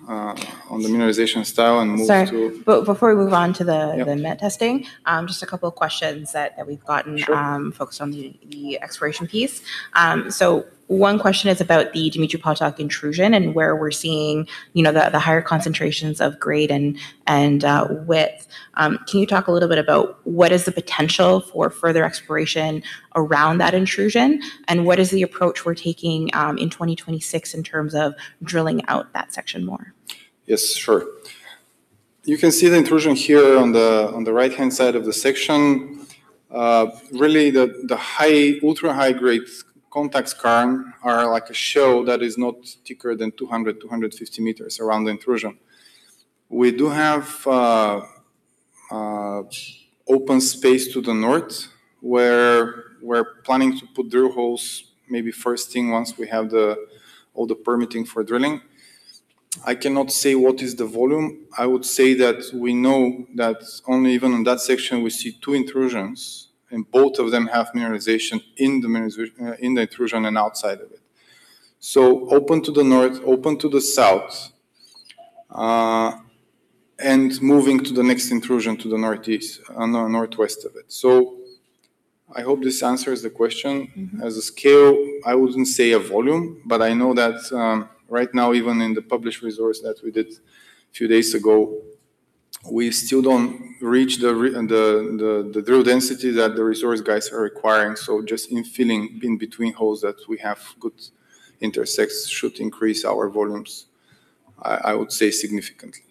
on the mineralization style and move to. Sorry. But before we move on to the met testing, just a couple of questions that we've gotten focused on the exploration piece. So one question is about the Dumitru Potok intrusion and where we're seeing the higher concentrations of grade and width. Can you talk a little bit about what is the potential for further exploration around that intrusion, and what is the approach we're taking in 2026 in terms of drilling out that section more? Yes, sure. You can see the intrusion here on the right-hand side of the section. Really, the ultra-high-grade contact skarn are like a zone that is not thicker than 200 m-250 m around the intrusion. We do have open space to the north where we're planning to put drill holes, maybe first thing once we have all the permitting for drilling. I cannot say what is the volume. I would say that we know that only even in that section, we see two intrusions, and both of them have mineralization in the intrusion and outside of it. So open to the north, open to the south, and moving to the next intrusion to the northeast, northwest of it. So I hope this answers the question. At scale, I wouldn't say a volume, but I know that right now, even in the published resource that we did a few days ago, we still don't reach the drill density that the resource guys are requiring. So just in filling in between holes that we have good intercepts should increase our volumes, I would say significantly.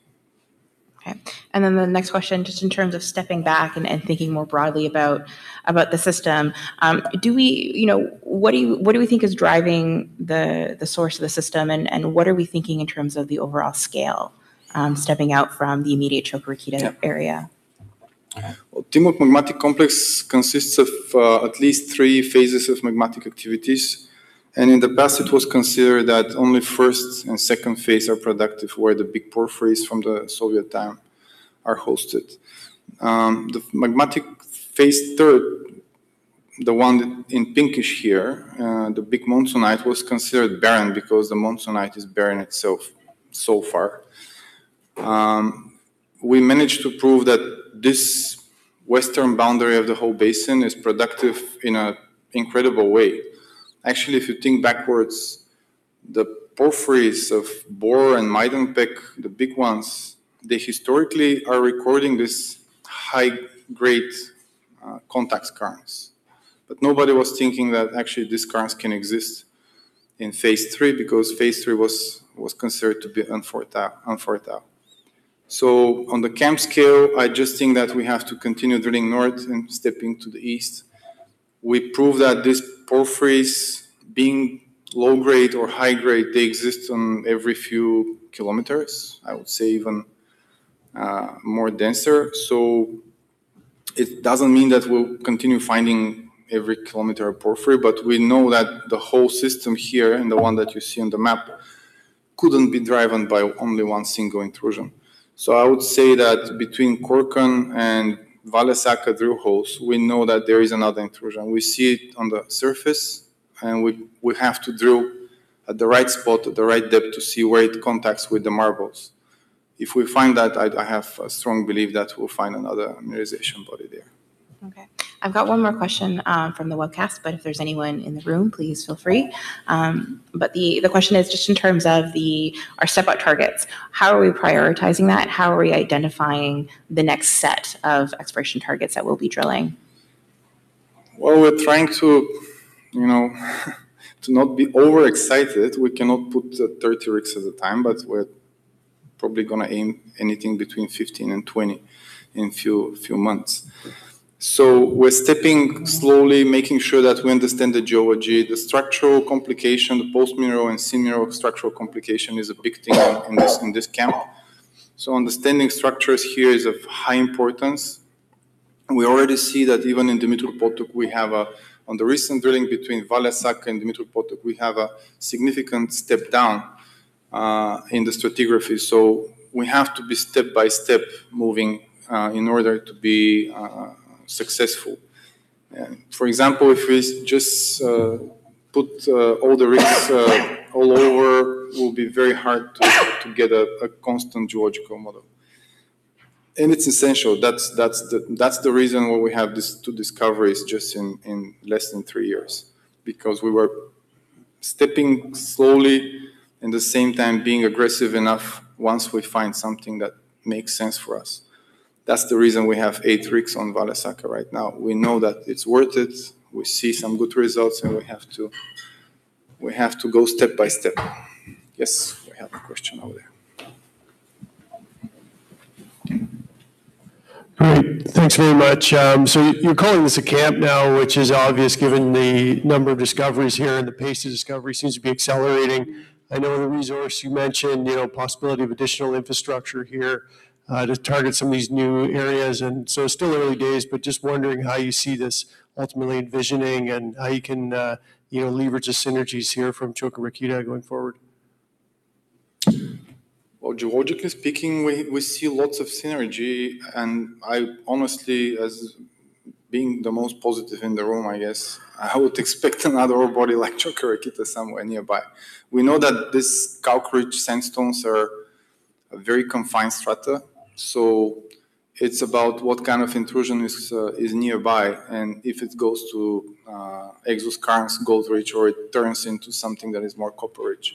Okay. And then the next question, just in terms of stepping back and thinking more broadly about the system, what do we think is driving the source of the system, and what are we thinking in terms of the overall scale stepping out from the immediate Čoka Rakita area? Timok Magmatic Complex consists of at least three phases of magmatic activities. In the past, it was considered that only first and second phase are productive where the big porphyries from the Soviet time are hosted. The magmatic phase third, the one in pinkish here, the big monzonite, was considered barren because the monzonite is barren itself so far. We managed to prove that this western boundary of the whole basin is productive in an incredible way. Actually, if you think backwards, the porphyries of Bor and Majdanpek, the big ones, they historically are recording this high-grade contact skarns. Nobody was thinking that actually these skarns can exist in phase three because phase three was considered to be unfertile. On the camp scale, I just think that we have to continue drilling north and stepping to the east. We prove that these porphyries, being low-grade or high-grade, they exist on every few kilometers, I would say even more denser. So it doesn't mean that we'll continue finding every kilom porphyry, but we know that the whole system here and the one that you see on the map couldn't be driven by only one single intrusion. So I would say that between Korkan and Valja Saka drill holes, we know that there is another intrusion. We see it on the surface, and we have to drill at the right spot, at the right depth to see where it contacts with the marbles. If we find that, I have a strong belief that we'll find another mineralization body there. Okay. I've got one more question from the webcast, but if there's anyone in the room, please feel free. But the question is just in terms of our step-up targets. How are we prioritizing that? How are we identifying the next set of exploration targets that we'll be drilling? We're trying to not be overexcited. We cannot put 30 rigs at a time, but we're probably going to aim anything between 15 and 20 in a few months. We're stepping slowly, making sure that we understand the geology. The structural complication, the post-mineral and pre-mineral structural complication is a big thing in this camp. Understanding structures here is of high importance. We already see that even in Dumitru Potok, we have a, on the recent drilling between Valja Saka and Dumitru Potok, we have a significant step down in the stratigraphy. We have to be step by step moving in order to be successful. For example, if we just put all the rigs all over, it will be very hard to get a constant geological model, it's essential. That's the reason why we have these two discoveries just in less than three years, because we were stepping slowly and at the same time being aggressive enough once we find something that makes sense for us. That's the reason we have eight rigs on Valja Saka right now. We know that it's worth it. We see some good results, and we have to go step by step. Yes, we have a question over there. Great. Thanks very much. So you're calling this a camp now, which is obvious given the number of discoveries here, and the pace of discovery seems to be accelerating. I know the resource you mentioned, possibility of additional infrastructure here to target some of these new areas. And so it's still early days, but just wondering how you see this ultimately envisioning and how you can leverage the synergies here from Čoka Rakita going forward. Geologically speaking, we see lots of synergy. And I honestly, as being the most positive in the room, I guess, I would expect another ore body like Čoka Rakita somewhere nearby. We know that these calcareous sandstones are a very confined strata. So it's about what kind of intrusion is nearby and if it goes to exoskarns, gold-rich, or it turns into something that is more copper-rich.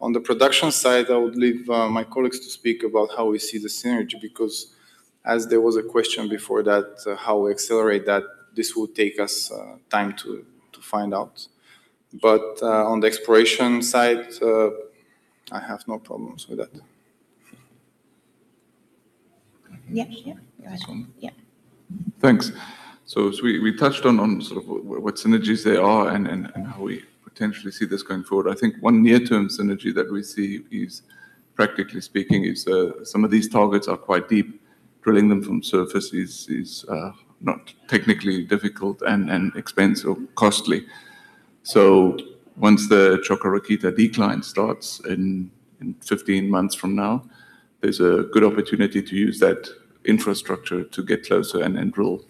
On the production side, I would leave my colleagues to speak about how we see the synergy because as there was a question before that, how we accelerate that, this will take us time to find out. But on the exploration side, I have no problems with that. Yeah. Yeah. Yeah. Thanks. So we touched on sort of what synergies they are and how we potentially see this going forward. I think one near-term synergy that we see, practically speaking, is some of these targets are quite deep. Drilling them from surface is not technically difficult and expensive, costly. So once the Čoka Rakita decline starts in 15 months from now, there's a good opportunity to use that infrastructure to get closer and drill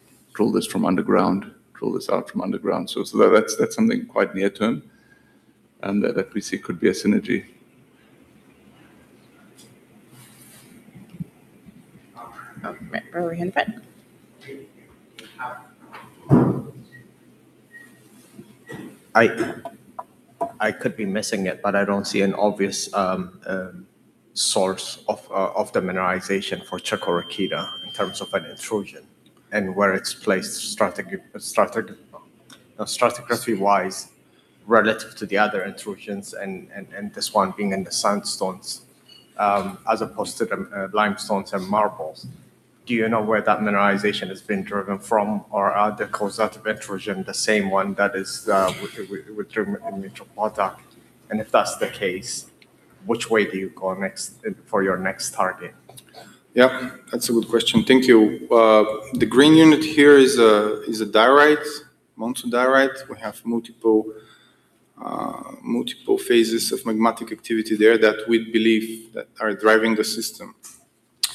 this from underground, drill this out from underground. So that's something quite near-term that we see could be a synergy. Riley Henneberry. I could be missing it, but I don't see an obvious source of the mineralization for Čoka Rakita in terms of an intrusion and where it's placed stratigraphy-wise relative to the other intrusions and this one being in the sandstones as opposed to the limestones and marbles. Do you know where that mineralization has been driven from or are the causative intrusion the same one that is within the Dumitru Potok? And if that's the case, which way do you go for your next target? Yeah, that's a good question. Thank you. The green unit here is a diorite, monzonite diorite. We have multiple phases of magmatic activity there that we believe are driving the system.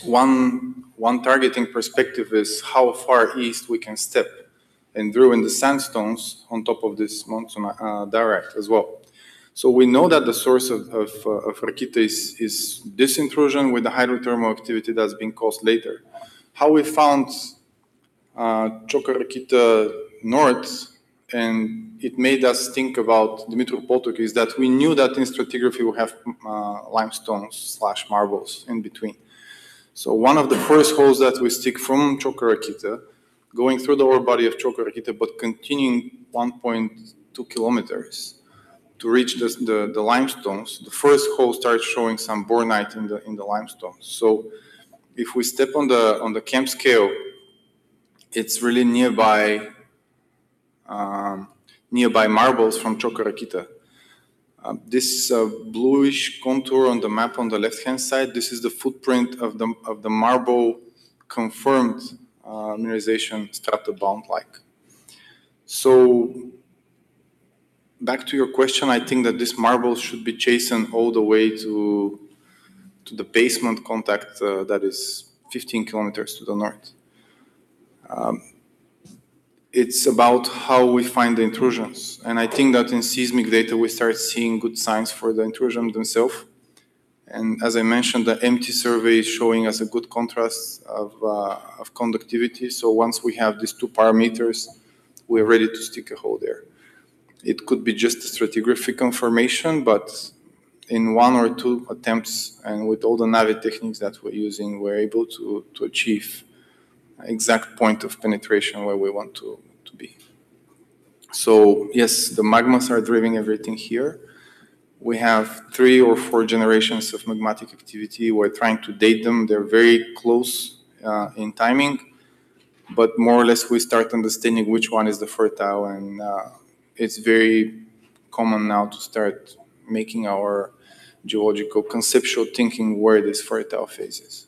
One targeting perspective is how far east we can step and drill in the sandstones on top of this monzonite diorite as well. So we know that the source of Rakita is this intrusion with the hydrothermal activity that's being caused later. How we found Čoka Rakita North and it made us think about Dumitru Potok is that we knew that in stratigraphy we have limestones/marbles in between. So one of the first holes that we stick from Čoka Rakita going through the ore body of Čoka Rakita but continuing 1.2 km to reach the limestones, the first hole starts showing some bornite in the limestone. So if we step on the camp scale, it's really nearby marbles from Čoka Rakita. This bluish contour on the map on the left-hand side, this is the footprint of the marble confirmed mineralization stratabound-like. So back to your question, I think that these marbles should be chasing all the way to the basement contact that is 15 km to the north. It's about how we find the intrusions. And I think that in seismic data, we start seeing good signs for the intrusion themselves. And as I mentioned, the EM survey is showing us a good contrast of conductivity. So once we have these two params, we're ready to stick a hole there. It could be just a stratigraphic confirmation, but in one or two attempts and with all the Navi techniques that we're using, we're able to achieve an exact point of penetration where we want to be. So yes, the magmas are driving everything here. We have three or four generations of magmatic activity. We're trying to date them. They're very close in timing, but more or less, we start understanding which one is the fertile, and it's very common now to start making our geological conceptual thinking where this fertile phase is.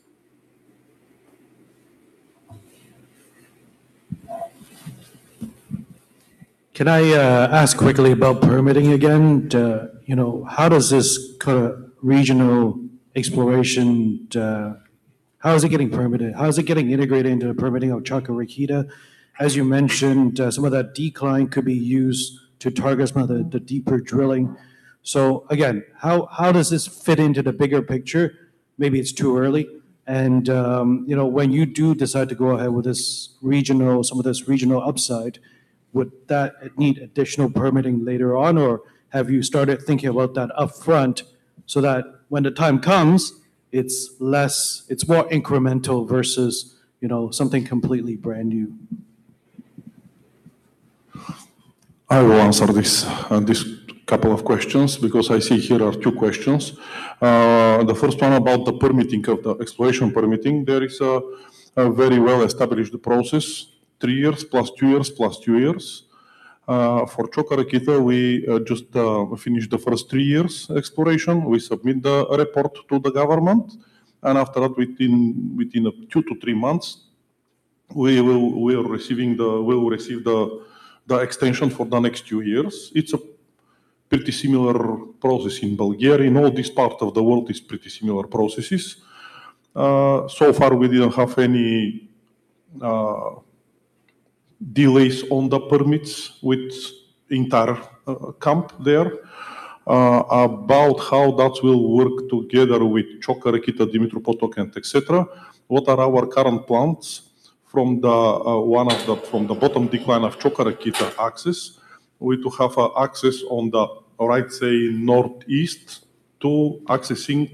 Can I ask quickly about permitting again? How does this kind of regional exploration, how is it getting permitted? How is it getting integrated into the permitting of Čoka Rakita? As you mentioned, some of that decline could be used to target some of the deeper drilling. So again, how does this fit into the bigger picture? Maybe it's too early, and when you do decide to go ahead with some of this regional upside, would that need additional permitting later on? Or have you started thinking about that upfront so that when the time comes, it's more incremental versus something completely brand new? I will answer this couple of questions because I see here are two questions. The first one about the permitting of the exploration permitting. There is a very well-established process, 3 years + 2 years + 2 years. For Čoka Rakita, we just finished the first three years exploration. We submit the report to the government. And after that, within two to three months, we will receive the extension for the next two years. It's a pretty similar process in Bulgaria. In all these parts of the world, it's pretty similar processes. So far, we didn't have any delays on the permits with the entire camp there about how that will work together with Čoka Rakita, Dumitru Potok, and etc. What are our current plans from one of the bottom decline of Čoka Rakita axis? We do have access on the right, say, northeast to accessing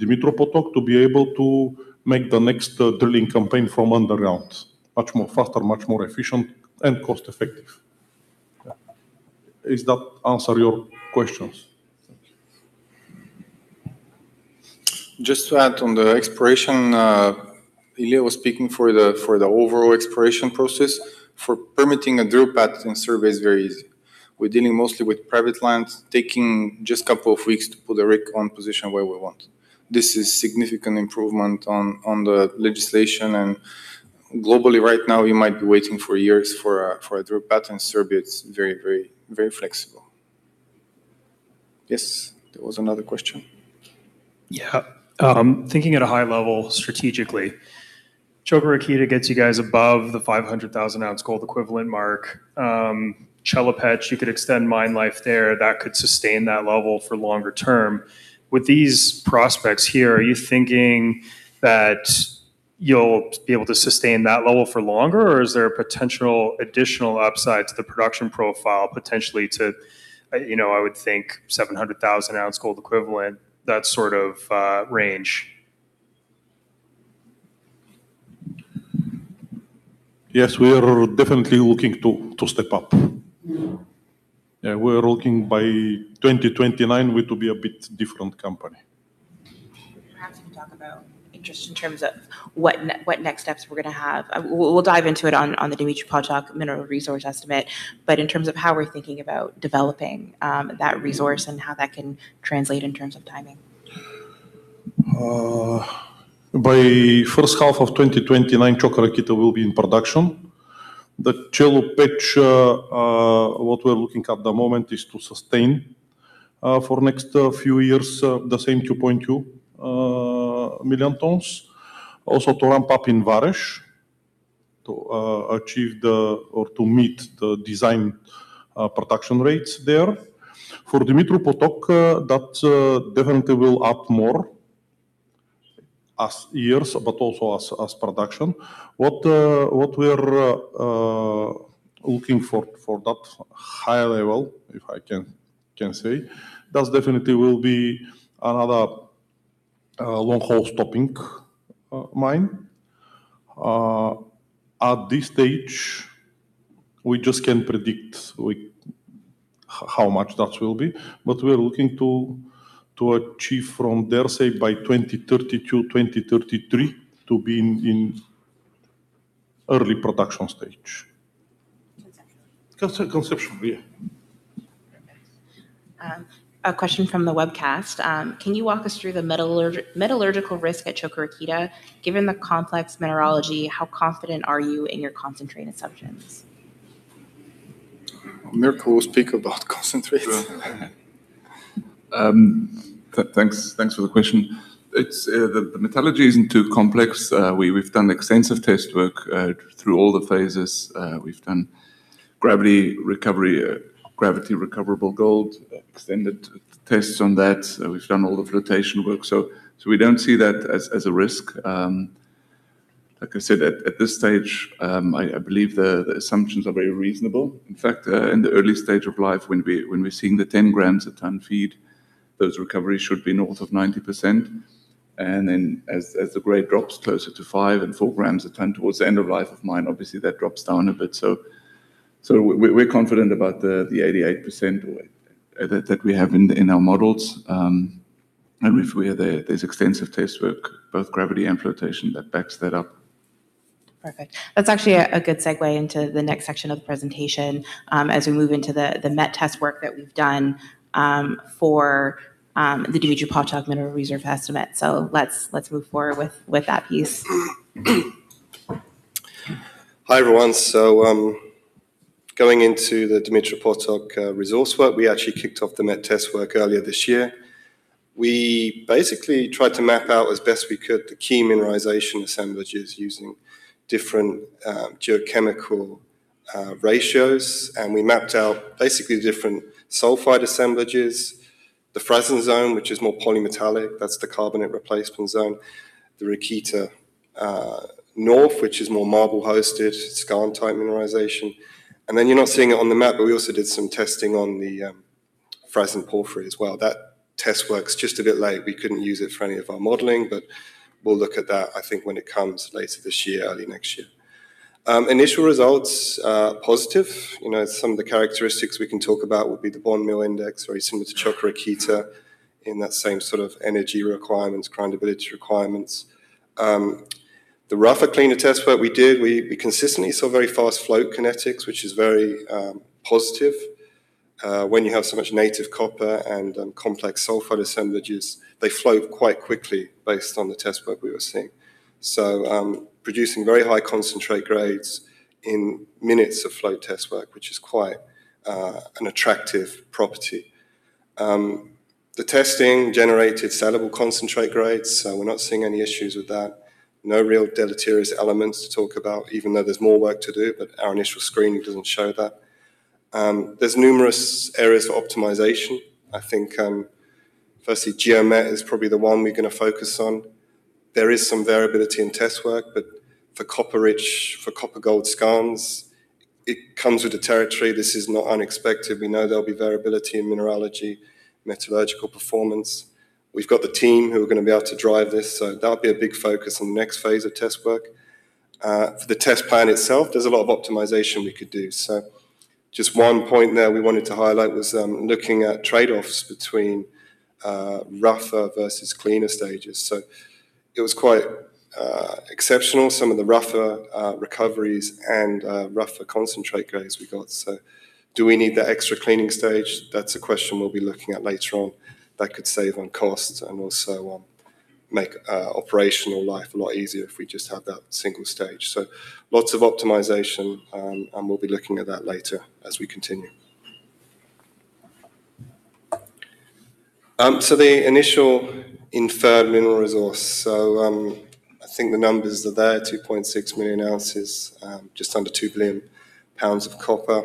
Dumitru Potok to be able to make the next drilling campaign from underground, much more faster, much more efficient, and cost-effective. Is that answer your questions? Thank you. Just to add on the exploration, Iliya was speaking for the overall exploration process. For permitting, a drill pad survey is very easy. We're dealing mostly with private land, taking just a couple of weeks to put the rig on position where we want. This is a significant improvement on the legislation, and globally, right now, you might be waiting for years for a drill pad survey. It's very, very flexible. Yes, there was another question. Yeah. Thinking at a high level strategically, Čoka Rakita gets you guys above the 500,000-ounce gold equivalent mark. Chelopech, you could extend mine life there. That could sustain that level for longer term. With these prospects here, are you thinking that you'll be able to sustain that level for longer, or is there a potential additional upside to the production profile, potentially to, I would think, 700,000-ounce gold equivalent, that sort of range? Yes, we are definitely looking to step up. We are looking by 2029 to be a bit different company. Perhaps we can talk about just in terms of what next steps we're going to have. We'll dive into it on the Dumitru Potok mineral resource estimate, but in terms of how we're thinking about developing that resource and how that can translate in terms of timing. By first half of 2029, Čoka Rakita will be in production. The Chelopech, what we're looking at the moment is to sustain for the next few years the same 2.2 million tonnes, also to ramp up in Vareš to achieve the or to meet the design production rates there. For Dumitru Potok, that definitely will up more years, but also as production. What we're looking for that high level, if I can say, that definitely will be another long-hole stoping mine. At this stage, we just can't predict how much that will be, but we're looking to achieve from there, say, by 2032, 2033 to be in early production stage. Conceptually. Conceptually, yeah. A question from the webcast. Can you walk us through the metallurgical risk at Čoka Rakita? Given the complex mineralogy, how confident are you in your concentrated specs? Mirco will speak about concentrates. Thanks for the question. The metallurgy isn't too complex. We've done extensive test work through all the phases. We've done gravity recovery, gravity recoverable gold, extended tests on that. We've done all the flotation work. So we don't see that as a risk. Like I said, at this stage, I believe the assumptions are very reasonable. In fact, in the early stage of life, when we're seei ng the 10g a ton feed, those recoveries should be north of 90%. And then as the grade drops closer to 5 and 4g a ton towards the end of life of mine, obviously that drops down a bit. So we're confident about the 88% that we have in our models. And if we have this extensive test work, both gravity and flotation, that backs that up. Perfect. That's actually a good segue into the next section of the presentation as we move into the met test work that we've done for the Dumitru Potok mineral reserve estimate, so let's move forward with that piece. Hi everyone. So going into the Dumitru Potok resource work, we actually kicked off the met test work earlier this year. We basically tried to map out as best we could the key mineralization assemblages using different geochemical ratios. And we mapped out basically different sulfide assemblages, the Frasin zone, which is more polymetallic. That's the carbonate replacement zone. The Rakita North, which is more marble-hosted, skarn-type mineralization. And then you're not seeing it on the map, but we also did some testing on the Frasin porphyry as well. That test work is just a bit late. We couldn't use it for any of our modeling, but we'll look at that, I think, when it comes later this year, early next year. Initial results positive. Some of the characteristics we can talk about would be the Bond Work Index, very similar to Čoka Rakita in that same sort of energy requirements, grindability requirements. The rougher cleaner test work we did, we consistently saw very fast float kinetics, which is very positive. When you have so much native copper and complex sulfide assemblages, they float quite quickly based on the test work we were seeing. So producing very high concentrate grades in minutes of float test work, which is quite an attractive property. The testing generated sellable concentrate grades, so we're not seeing any issues with that. No real deleterious elements to talk about, even though there's more work to do, but our initial screening doesn't show that. There's numerous areas for optimization. I think firstly, geomet is probably the one we're going to focus on. There is some variability in test work, but for copper-rich, for copper-gold skarns, it comes with the territory. This is not unexpected. We know there'll be variability in mineralogy, metallurgical performance. We've got the team who are going to be able to drive this. So that'll be a big focus in the next phase of test work. For the test plan itself, there's a lot of optimization we could do. So just one point there we wanted to highlight was looking at trade-offs between rougher versus cleaner stages. So it was quite exceptional. Some of the rougher recoveries and rougher concentrate grades we got. So do we need the extra cleaning stage? That's a question we'll be looking at later on that could save on costs and also make operational life a lot easier if we just have that single stage. So lots of optimization, and we'll be looking at that later as we continue. So the initial inferred mineral resource. So I think the numbers are there, 2.6 million ounces, just under two billion pounds of copper.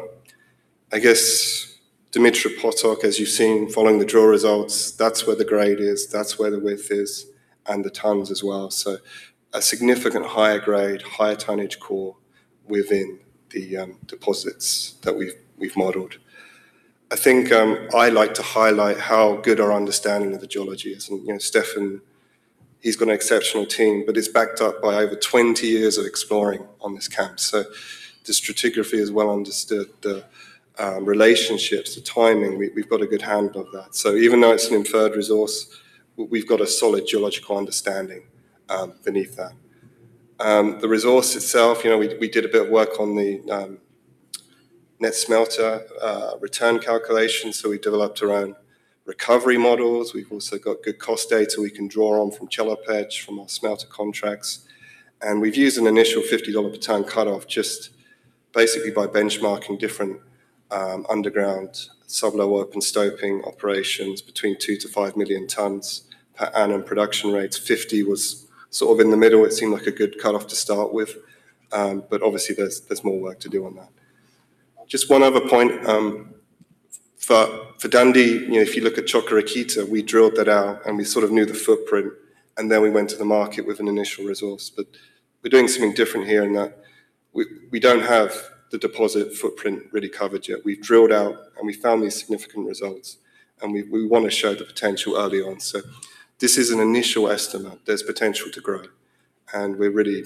I guess Dumitru Potok, as you've seen following the drill results, that's where the grade is, that's where the width is, and the tonnes as well. So a significant higher grade, higher tonnage core within the deposits that we've modeled. I think I like to highlight how good our understanding of the geology is. And Stefan, he's got an exceptional team, but it's backed up by over 20 years of exploring on this camp. So the stratigraphy is well understood, the relationships, the timing, we've got a good handle of that. So even though it's an inferred resource, we've got a solid geological understanding beneath that. The resource itself, we did a bit of work on the net smelter return calculation, so we developed our own recovery models. We've also got good cost data we can draw on from Chelopech, from our smelter contracts, and we've used an initial $50 per ton cutoff just basically by benchmarking different underground sublevel stoping operations between 2 to 5 million tonnes per annum production rates. 50 was sort of in the middle. It seemed like a good cutoff to start with, but obviously there's more work to do on that. Just one other point. For Dundee, if you look at Čoka Rakita, we drilled that out and we sort of knew the footprint, and then we went to the market with an initial resource, but we're doing something different here in that we don't have the deposit footprint really covered yet. We've drilled out and we found these significant results, and we want to show the potential early on. So this is an initial estimate. There's potential to grow. And we're really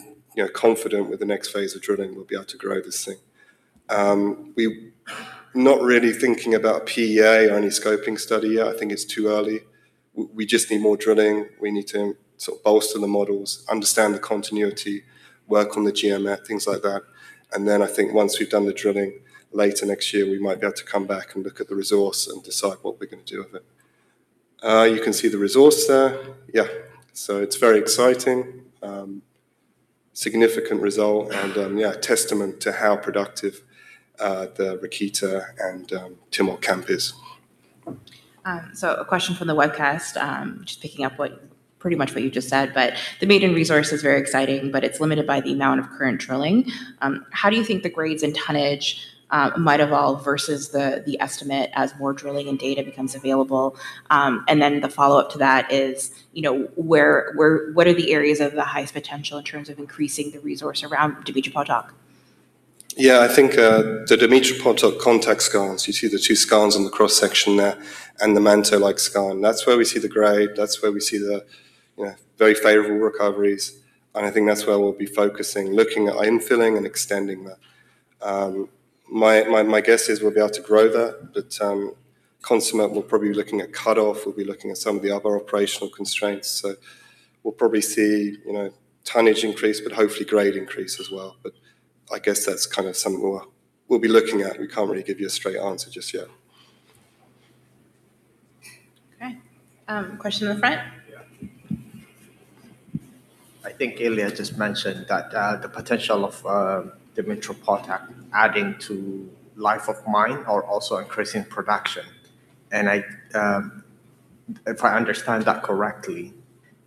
confident with the next phase of drilling, we'll be able to grow this thing. We're not really thinking about PEA or any scoping study yet. I think it's too early. We just need more drilling. We need to sort of bolster the models, understand the continuity, work on the geomet, things like that. And then I think once we've done the drilling later next year, we might be able to come back and look at the resource and decide what we're going to do with it. You can see the resource there. Yeah. So it's very exciting, significant result, and yeah, a testament to how productive the Rakita and Timok camp is. A question from the webcast, just picking up pretty much what you just said, but the maiden resource is very exciting, but it's limited by the amount of current drilling. How do you think the grades and tonnage might evolve versus the estimate as more drilling and data becomes available? And then the follow-up to that is, what are the areas of the highest potential in terms of increasing the resource around Dumitru Potok? Yeah, I think the Dumitru Potok contact skarns, you see the two skarns on the cross-section there and the manto-like skarn. That's where we see the grade. That's where we see the very favorable recoveries. And I think that's where we'll be focusing, looking at infilling and extending that. My guess is we'll be able to grow that, but ultimately we'll probably be looking at cut-off. We'll be looking at some of the other operational constraints. So we'll probably see tonnage increase, but hopefully grade increase as well. But I guess that's kind of something we'll be looking at. We can't really give you a straight answer just yet. Okay. Question in the front? I think Iliya just mentioned that the potential of Dumitru Potok adding to life of mine or also increasing production, and if I understand that correctly,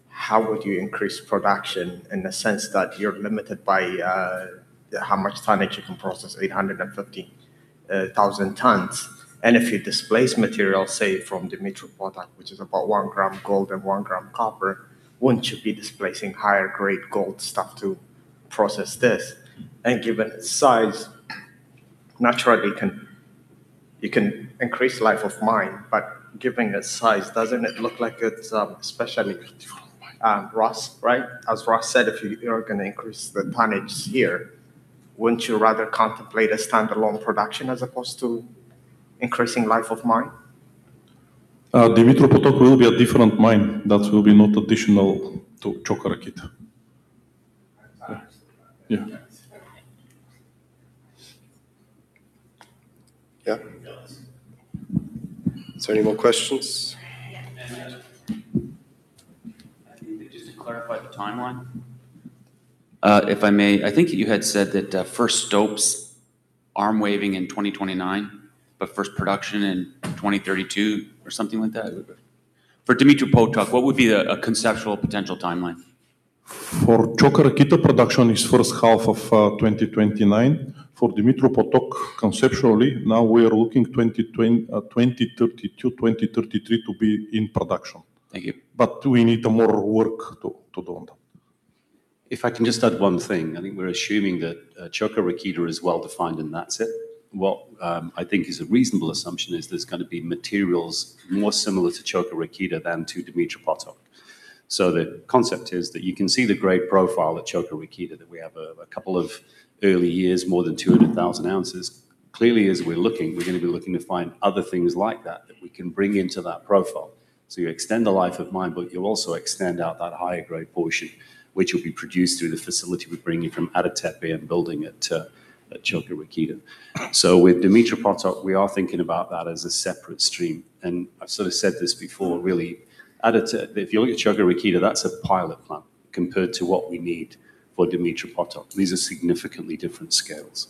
how would you increase production in the sense that you're limited by how much tonnage you can process, 850,000 tonnes, and if you displace material, say, from Dumitru Potok, which is about one gram gold and one gram copper, wouldn't you be displacing higher grade gold stuff to process this? And given its size, naturally you can increase life of mine, but given its size, doesn't it look like it's especially risky, right? As Ross said, if you're going to increase the tonnage here, wouldn't you rather contemplate a standalone production as opposed to increasing life of mine? Dumitru Potok will be a different mine. That will be not additional to Čoka Rakita. Yeah. Yeah. So any more questions? Just to clarify the timeline. If I may, I think you had said that first development in 2029, but first production in 2032 or something like that. For Dumitru Potok, what would be a conceptual potential timeline? For Čoka Rakita, production is first half of 2029. For Dumitru Potok, conceptually, now we are looking 2032, 2033 to be in production. Thank you. But we need more work to do on that. If I can just add one thing, I think we're assuming that Čoka Rakita is well defined and that's it. What I think is a reasonable assumption is there's going to be materials more similar to Čoka Rakita than to Dumitru Potok. So the concept is that you can see the grade profile at Čoka Rakita that we have a couple of early years, more than 200,000 ounces. Clearly, as we're looking, we're going to be looking to find other things like that that we can bring into that profile. So you extend the life of mine, but you also extend out that higher grade portion, which will be produced through the facility we're bringing from Ada Tepe and building it to Čoka Rakita. So with Dumitru Potok, we are thinking about that as a separate stream. I've sort of said this before, really, if you look at Čoka Rakita, that's a pilot plant compared to what we need for Dumitru Potok. These are significantly different scales.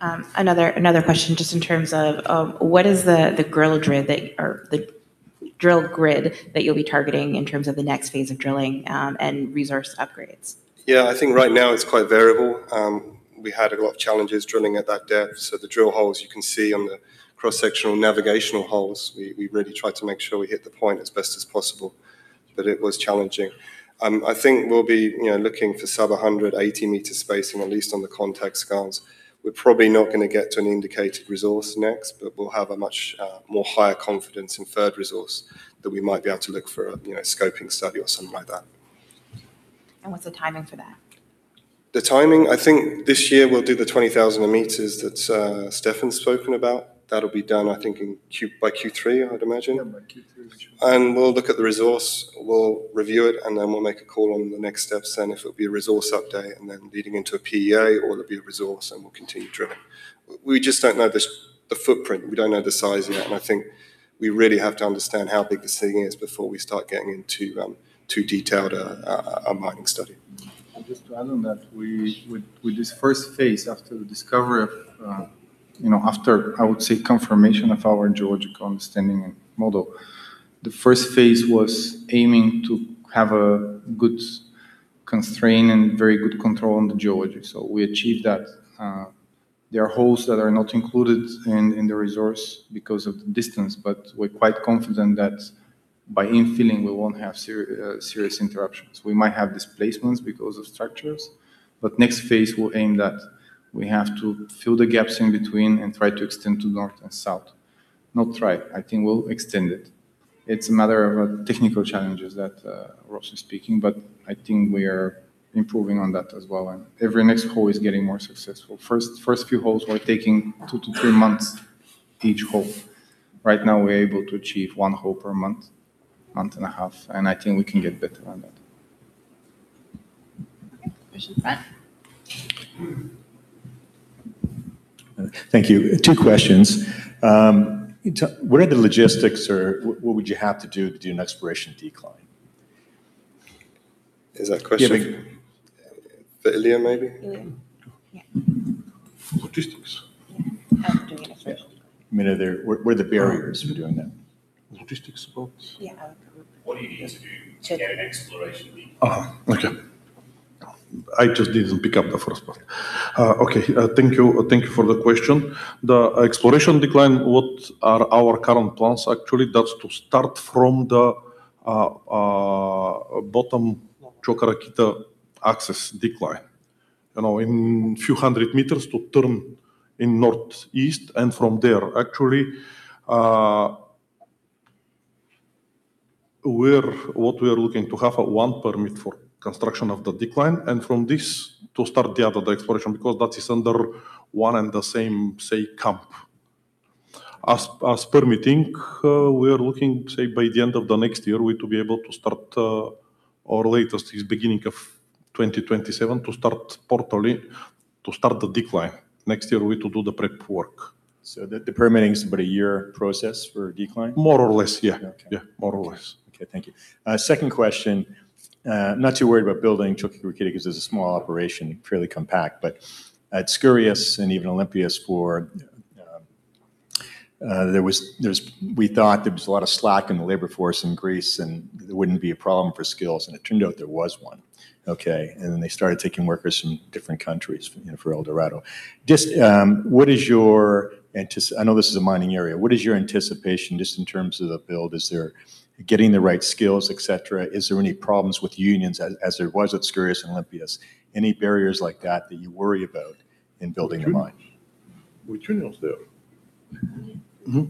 Another question just in terms of what is the drill grid that you'll be targeting in terms of the next phase of drilling and resource upgrades? Yeah, I think right now it's quite variable. We had a lot of challenges drilling at that depth. So the drill holes you can see on the cross-sectional navigational holes, we really tried to make sure we hit the point as best as possible, but it was challenging. I think we'll be looking for sub-180 meters spacing, at least on the contact skarns. We're probably not going to get to an indicated resource next, but we'll have a much more higher confidence in inferred resource that we might be able to look for a scoping study or something like that. What's the timing for that? The timing, I think this year we'll do the 20,000 m that Stefan's spoken about. That'll be done, I think, by Q3, I'd imagine. We'll look at the resource, we'll review it, and then we'll make a call on the next steps, and if it'll be a resource update and then leading into a PEA, or it'll be a resource and we'll continue drilling. We just don't know the footprint. We don't know the size yet. I think we really have to understand how big the system is before we start getting into too detailed a mining study. Just to add on that, with this first phase after the discovery of, after I would say confirmation of our geological understanding and model, the first phase was aiming to have a good constraint and very good control on the geology. So we achieved that. There are holes that are not included in the resource because of the distance, but we're quite confident that by infilling, we won't have serious interruptions. We might have displacements because of structures, but next phase will aim that we have to fill the gaps in between and try to extend to north and south. Not try. I think we'll extend it. It's a matter of technical challenges that Ross is speaking, but I think we are improving on that as well. And every next hole is getting more successful. First few holes were taking two to three months each hole. Right now, we're able to achieve one hole per month, month and a half, and I think we can get better on that. Okay. Question in front. Thank you. Two questions. What are the logistics or what would you have to do to do an exploration decline? Is that a question? Yeah. For Iliya, maybe? Iliya. Logistics. Yeah. I mean, where are the barriers for doing that? Logistics box. Yeah. What do you need to do to get an exploration decline? Okay. I just didn't pick up the first part. Okay. Thank you for the question. The exploration decline, what are our current plans actually? That's to start from the bottom Čoka Rakita access decline, in a few hundred meters to turn in northeast and from there, actually, what we are looking to have a one permit for construction of the decline and from this to start the other exploration because that is under one and the same, say, camp. As permitting, we are looking, say, by the end of the next year, we to be able to start our latest, it's beginning of 2027, to start the decline next year we to do the prep work. The permitting is about a year process for decline? More or less, yeah. Yeah, more or less. Okay. Thank you. Second question, not too worried about building Čoka Rakita because it's a small operation, fairly compact, but it's Skouries and even Olympias for we thought there was a lot of slack in the labor force in Greece and there wouldn't be a problem for skills and it turned out there was one. Okay. And then they started taking workers from different countries for Eldorado Gold. What is your—I know this is a mining area. What is your anticipation just in terms of the build? Is there getting the right skills, etc.? Is there any problems with unions as there was at Skouries and Olympias? Any barriers like that that you worry about in building a mine? Which unions there? Yeah.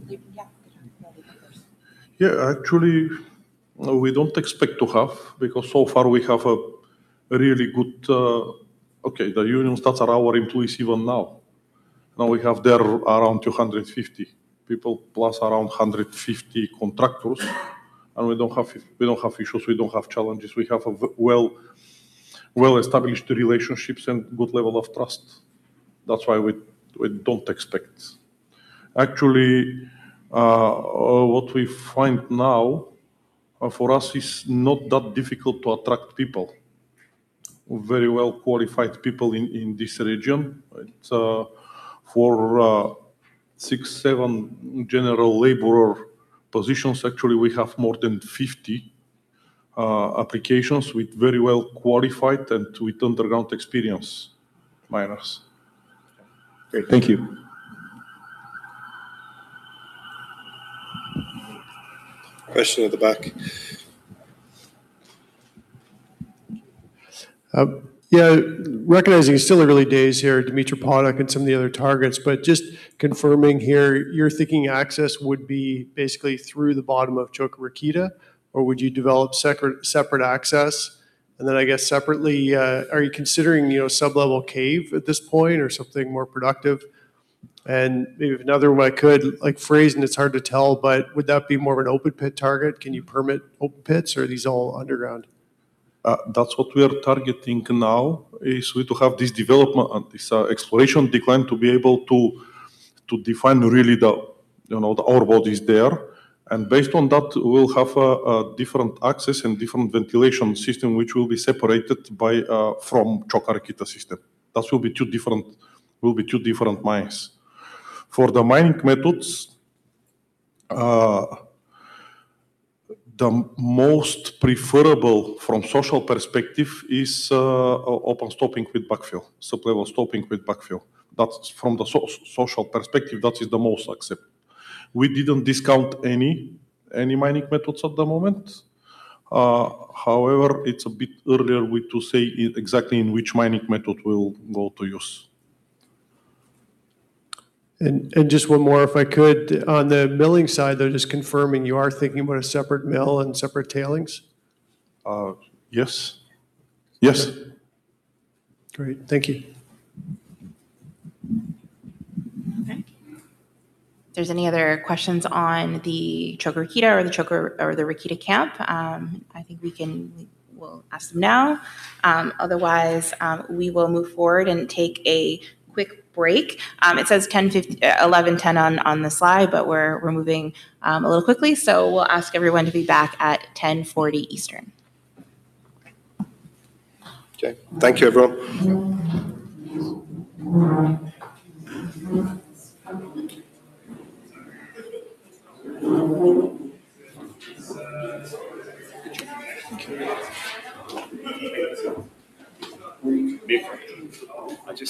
Yeah. Actually, we don't expect to have because so far we have a really good okay, the unions. That's our employees even now. Now we have there around 250+ people around 150 contractors, and we don't have issues. We don't have challenges. We have well-established relationships and good level of trust. That's why we don't expect. Actually, what we find now for us is not that difficult to attract people, very well-qualified people in this region. For six, seven general laborer positions, actually, we have more than 50 applications with very well-qualified and with underground experience miners. Okay. Thank you. Question at the back. Yeah. Recognizing it's still early days here, Dumitru Potok and some of the other targets, but just confirming here, you're thinking access would be basically through the bottom of Čoka Rakita or would you develop separate access? And then I guess separately, are you considering sublevel cave at this point or something more productive? And maybe another way I could phrase and it's hard to tell, but would that be more of an open pit target? Can you permit open pits or are these all underground? That's what we are targeting now is we to have this development, this exploration decline to be able to define really the ore body is there. And based on that, we'll have a different access and different ventilation system, which will be separated from Čoka Rakita system. That will be two different mines. For the mining methods, the most preferable from social perspective is open stoping with backfill, sublevel stoping with backfill. That's from the social perspective, that is the most acceptable. We didn't discount any mining methods at the moment. However, it's a bit earlier we to say exactly in which mining method we'll go to use. And just one more, if I could, on the milling side, they're just confirming you are thinking about a separate mill and separate tailings? Yes. Yes. Great. Thank you. Okay. There's any other questions on the Čoka Rakita or the Rakita camp? I think we'll ask them now. Otherwise, we will move forward and take a quick break. It says 11:10 A.M. on the slide, but we're moving a little quickly. So we'll ask everyone to be back at 10:40 A.M. Eastern. Okay. Thank you, everyone. All right, everyone, we're going to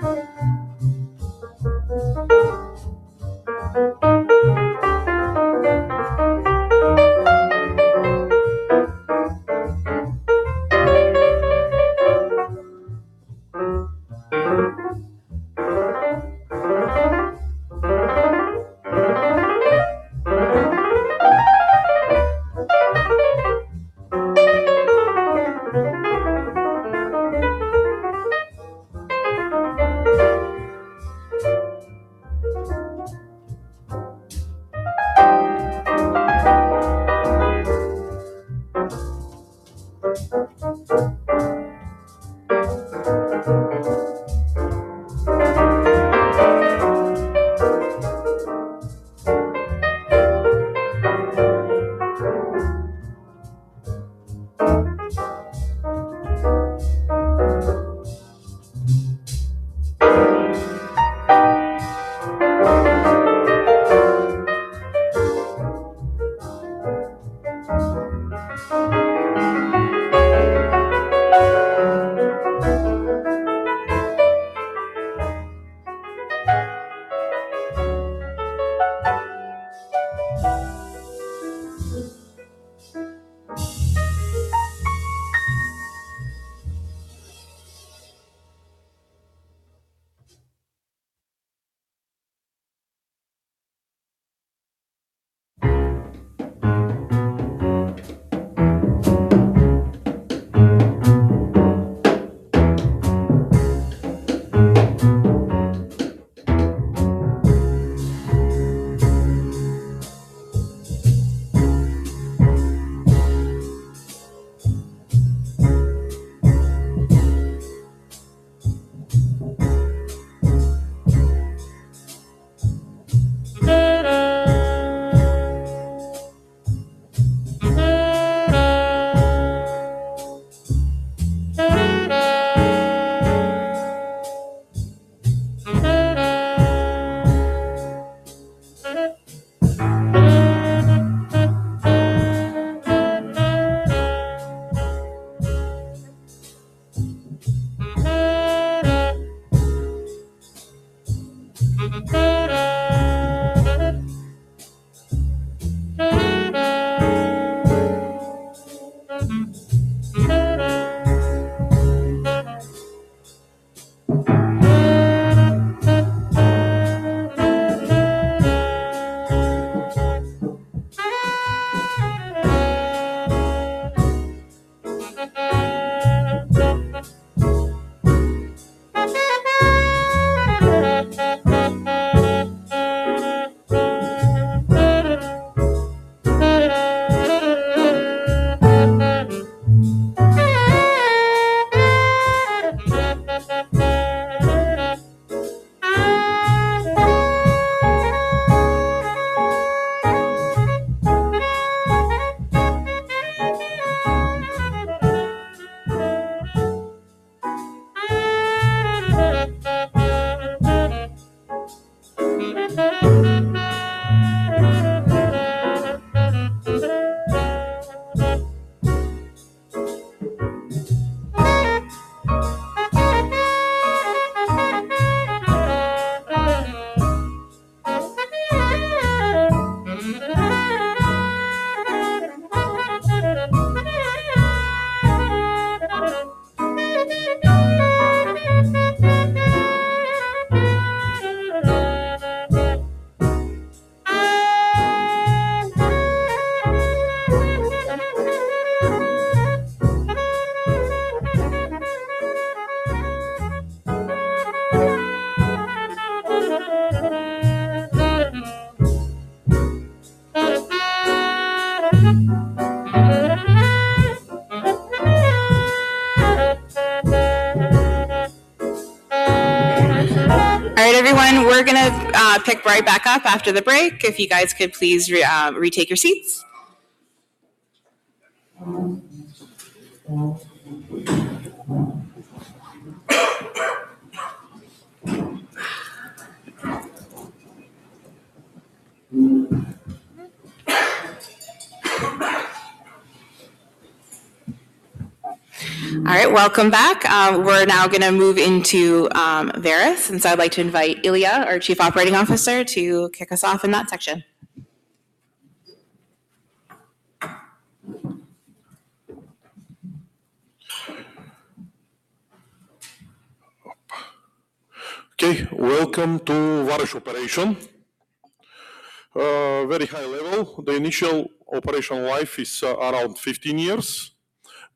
pick right back up after the break. If you guys could please retake your seats. All right, welcome back. We're now going to move into Vareš, and so I'd like to invite Iliya, our Chief Operating Officer, to kick us off in that section. Okay, welcome to Vareš Operation. Very high level. The initial operational life is around 15 years.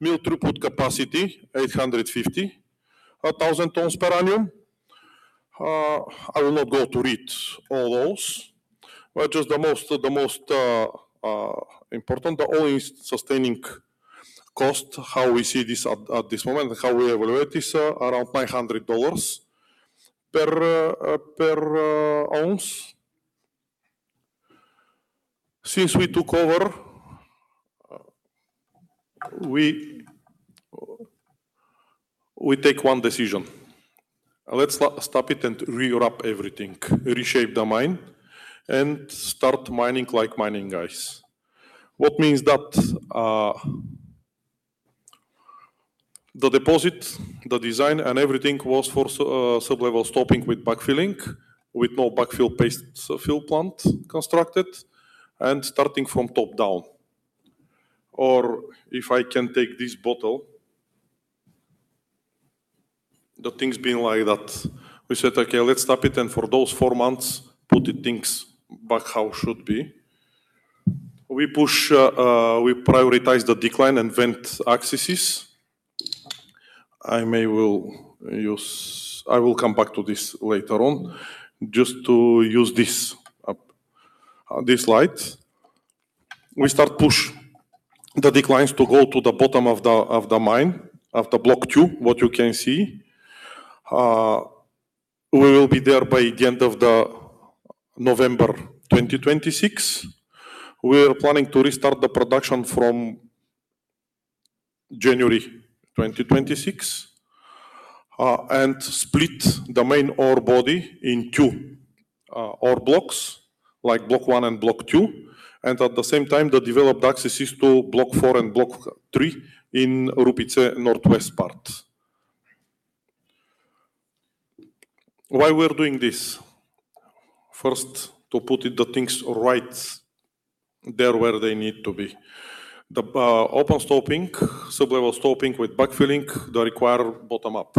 Mill throughput capacity 850,000 tonnes per annum. I will not go to read all those, but just the most important, the all-in sustaining cost, how we see this at this moment and how we evaluate is around $900 per ounce. Since we took over, we take one decision. Let's stop it and rewrap everything, reshape the mine, and start mining like mining guys. That means that the deposit, the design, and everything was for sublevel stoping with backfilling, with no backfill paste fill plant constructed, and starting from top down. Or if I can take this bottle, the things being like that, we said, "Okay, let's stop it," and for those four months, put the things back how should be. We prioritize the decline and vent raises. I may come back to this later on, just to use this light. We start pushing the declines to go to the bottom of the mine, of the Block 2, what you can see. We will be there by the end of November 2026. We are planning to restart the production from January 2026 and split the main ore body in two ore blocks, Block 1 and Block 2, and at the same time, the developed axis is to Block 4 and Block 3 in Rupice Northwest part. Why we're doing this? First, to put the things right there where they need to be. The open stoping, sublevel stoping with backfilling, the required bottom-up.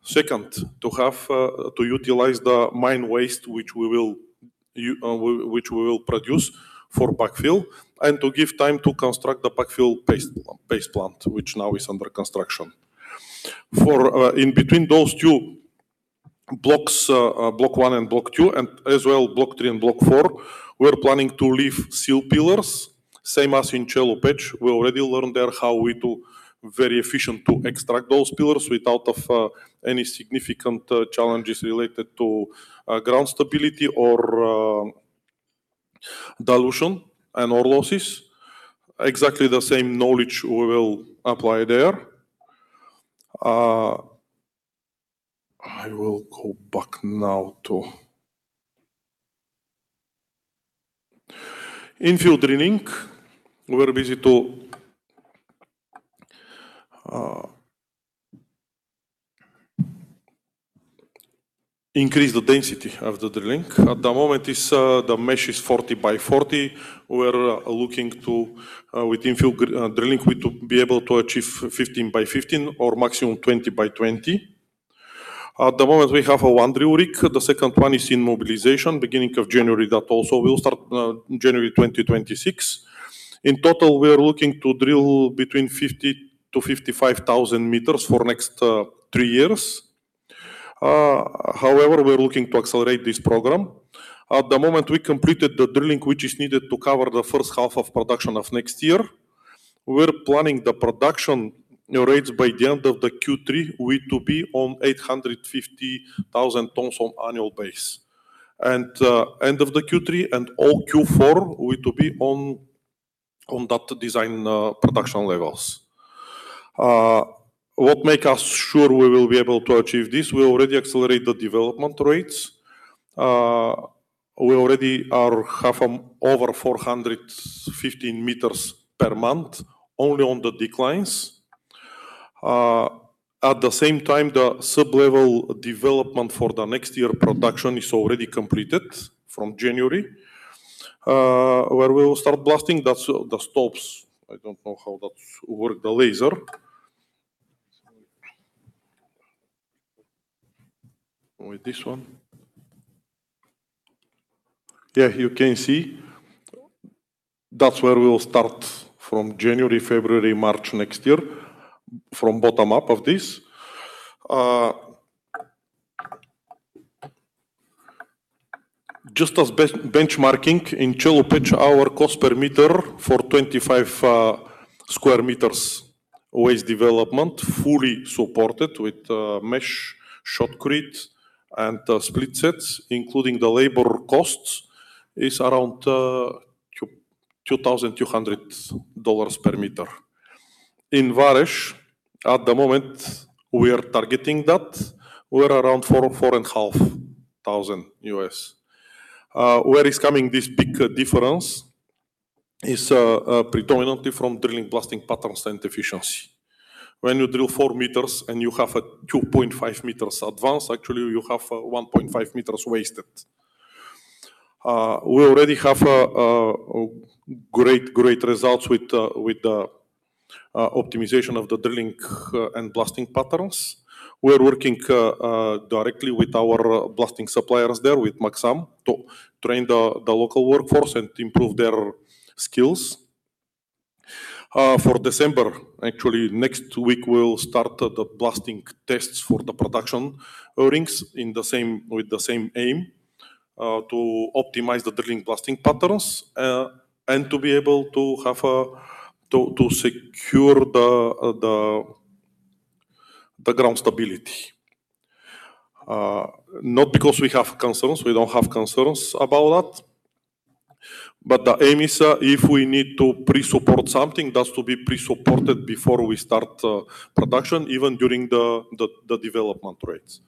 Second, to utilize the mine waste which we will produce for backfill and to give time to construct the backfill paste plant, which now is under construction. In between those two Block 1 and Block 2, and as well Block 3 and Block 4, we're planning to leave sill pillars, same as in Chelopech. We already learned there how we do very efficiently to extract those pillars without any significant challenges related to ground stability or dilution and ore losses. Exactly the same knowledge we will apply there. I will go back now to infill drilling. We're busy to increase the density of the drilling. At the moment, the mesh is 40 by 40. We're looking to, with infill drilling, to be able to achieve 15 by 15 or maximum 20 by 20. At the moment, we have one drill rig. The second one is in mobilization. Beginning of January, that also will start January 2026. In total, we are looking to drill between 50,000 m-55,000 m for the next three years. However, we're looking to accelerate this program. At the moment, we completed the drilling, which is needed to cover the first half of production of next year. We're planning the production rates by the end of the Q3; we'll be on 850,000 tonnes on an annual basis. By the end of the Q3 and all Q4, we'll be on that design production levels. What makes us sure we will be able to achieve this? We already accelerate the development rates. We already are over 415 m per month only on the declines. At the same time, the sublevel development for the next year production is already completed from January. Where we will start blasting, that's the stope. I don't know how that works, the laser. With this one. Yeah, you can see. That's where we will start from January, February, March next year, from bottom-up of this. Just as benchmarking in Chelopech, our cost per m for 25 sq m waste development fully supported with mesh, shotcrete, and split sets, including the labor costs, is around $2,200 per m. In Vareš, at the moment, we are targeting that. We're around $4,500. Where is coming this big difference? It's predominantly from drilling, blasting patterns, and efficiency. When you drill 4 m and you have a 2.5 m advance, actually, you have 1.5 m wasted. We already have great, great results with the optimization of the drilling and blasting patterns. We're working directly with our blasting suppliers there, with Maxam, to train the local workforce and improve their skills. For December, actually, next week, we'll start the blasting tests for the production rings with the same aim to optimize the drilling blasting patterns and to be able to secure the ground stability. Not because we have concerns. We don't have concerns about that, but the aim is if we need to pre-support something, that's to be pre-supported before we start production, even during the development rates.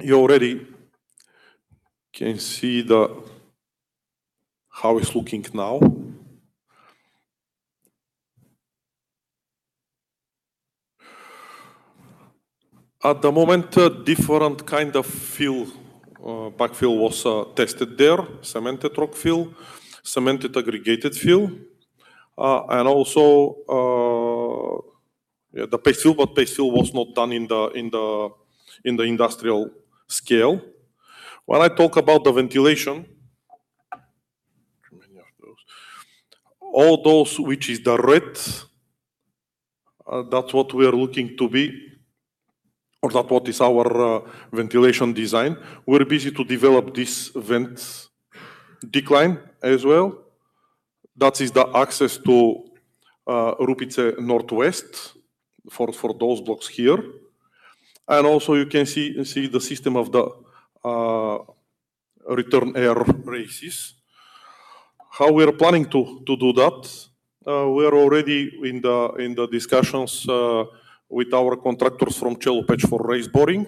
You already can see how it's looking now. At the moment, different kind of fill backfill was tested there, cemented rock fill, cemented aggregate fill, and also the paste backfill, but paste backfill was not done in the industrial scale. When I talk about the ventilation, all those, which is the red, that's what we are looking to be, or that's what is our ventilation design. We're busy to develop this vent decline as well. That is the access to Rupice Northwest for those blocks here, and also you can see the system of the return air raises. How we are planning to do that? We are already in the discussions with our contractors from Chelopech for raise boring,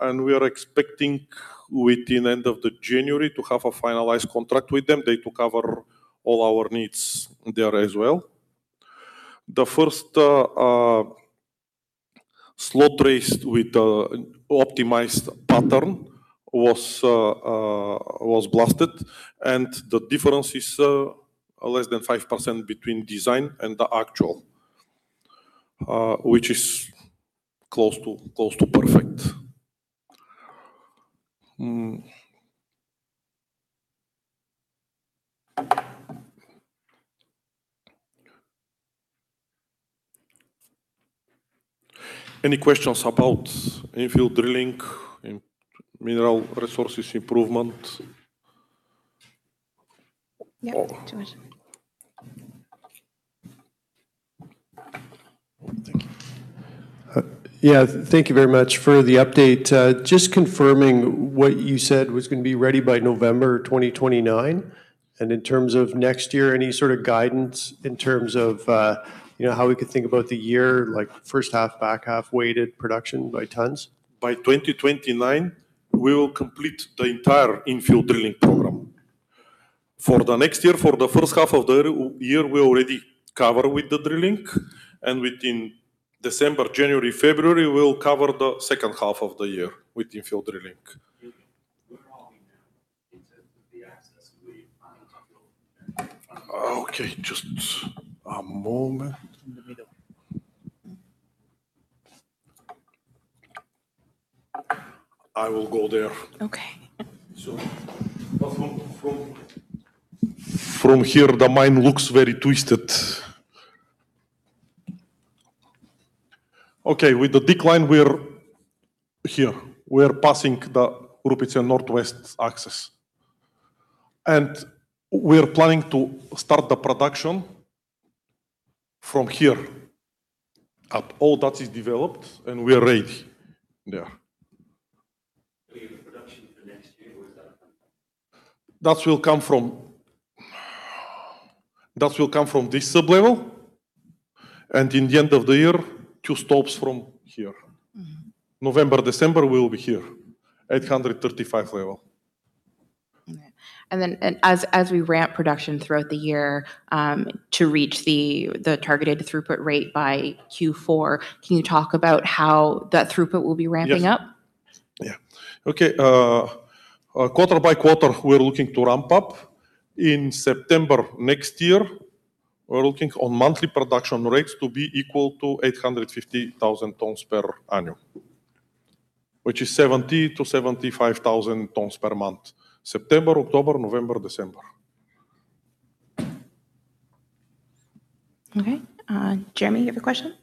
and we are expecting within the end of January to have a finalized contract with them to cover all our needs there as well. The first slot raise with the optimized pattern was blasted, and the difference is less than 5% between design and the actual, which is close to perfect. Any questions about infill drilling, mineral resources improvement? Yeah, thank you very much for the update. Just confirming what you said was going to be ready by November 2029. And in terms of next year, any sort of guidance in terms of how we could think about the year, like first half, back half, weighted production by tonnes? By 2029, we will complete the entire infill drilling program. For the next year, for the first half of the year, we already cover with the drilling, and within December, January, February, we'll cover the second half of the year with infill drilling. Okay, just a moment. I will go there. Okay. From here, the mine looks very twisted. Okay, with the decline, we're here. We're passing the Rupice Northwest access, and we're planning to start the production from here at all that is developed, and we're ready there. That will come from this sub-level, and in the end of the year, two stops from here. November, December, we'll be here, 835 level, and then as we ramp production throughout the year to reach the targeted throughput rate by Q4, can you talk about how that throughput will be ramping up? Yeah. Okay. Quarter by quarter, we're looking to ramp up. In September next year, we're looking on monthly production rates to be equal to 850,000 tonnes per annum, which is 70,000-75,000 tonnes per month. September, October, November, December. Okay. Jeremy, you have a question?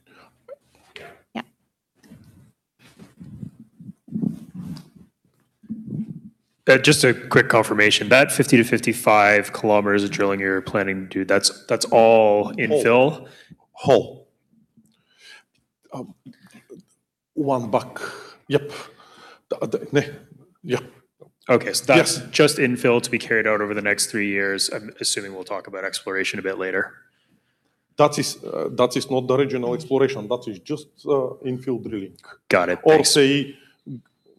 Yeah. Just a quick confirmation. That 50 km-55 km of drilling you're planning to do, that's all infill? Whole? One back. Yep. Okay. So that's just infill to be carried out over the next three years. I'm assuming we'll talk about exploration a bit later. That is not the original exploration. That is just infill drilling. Or say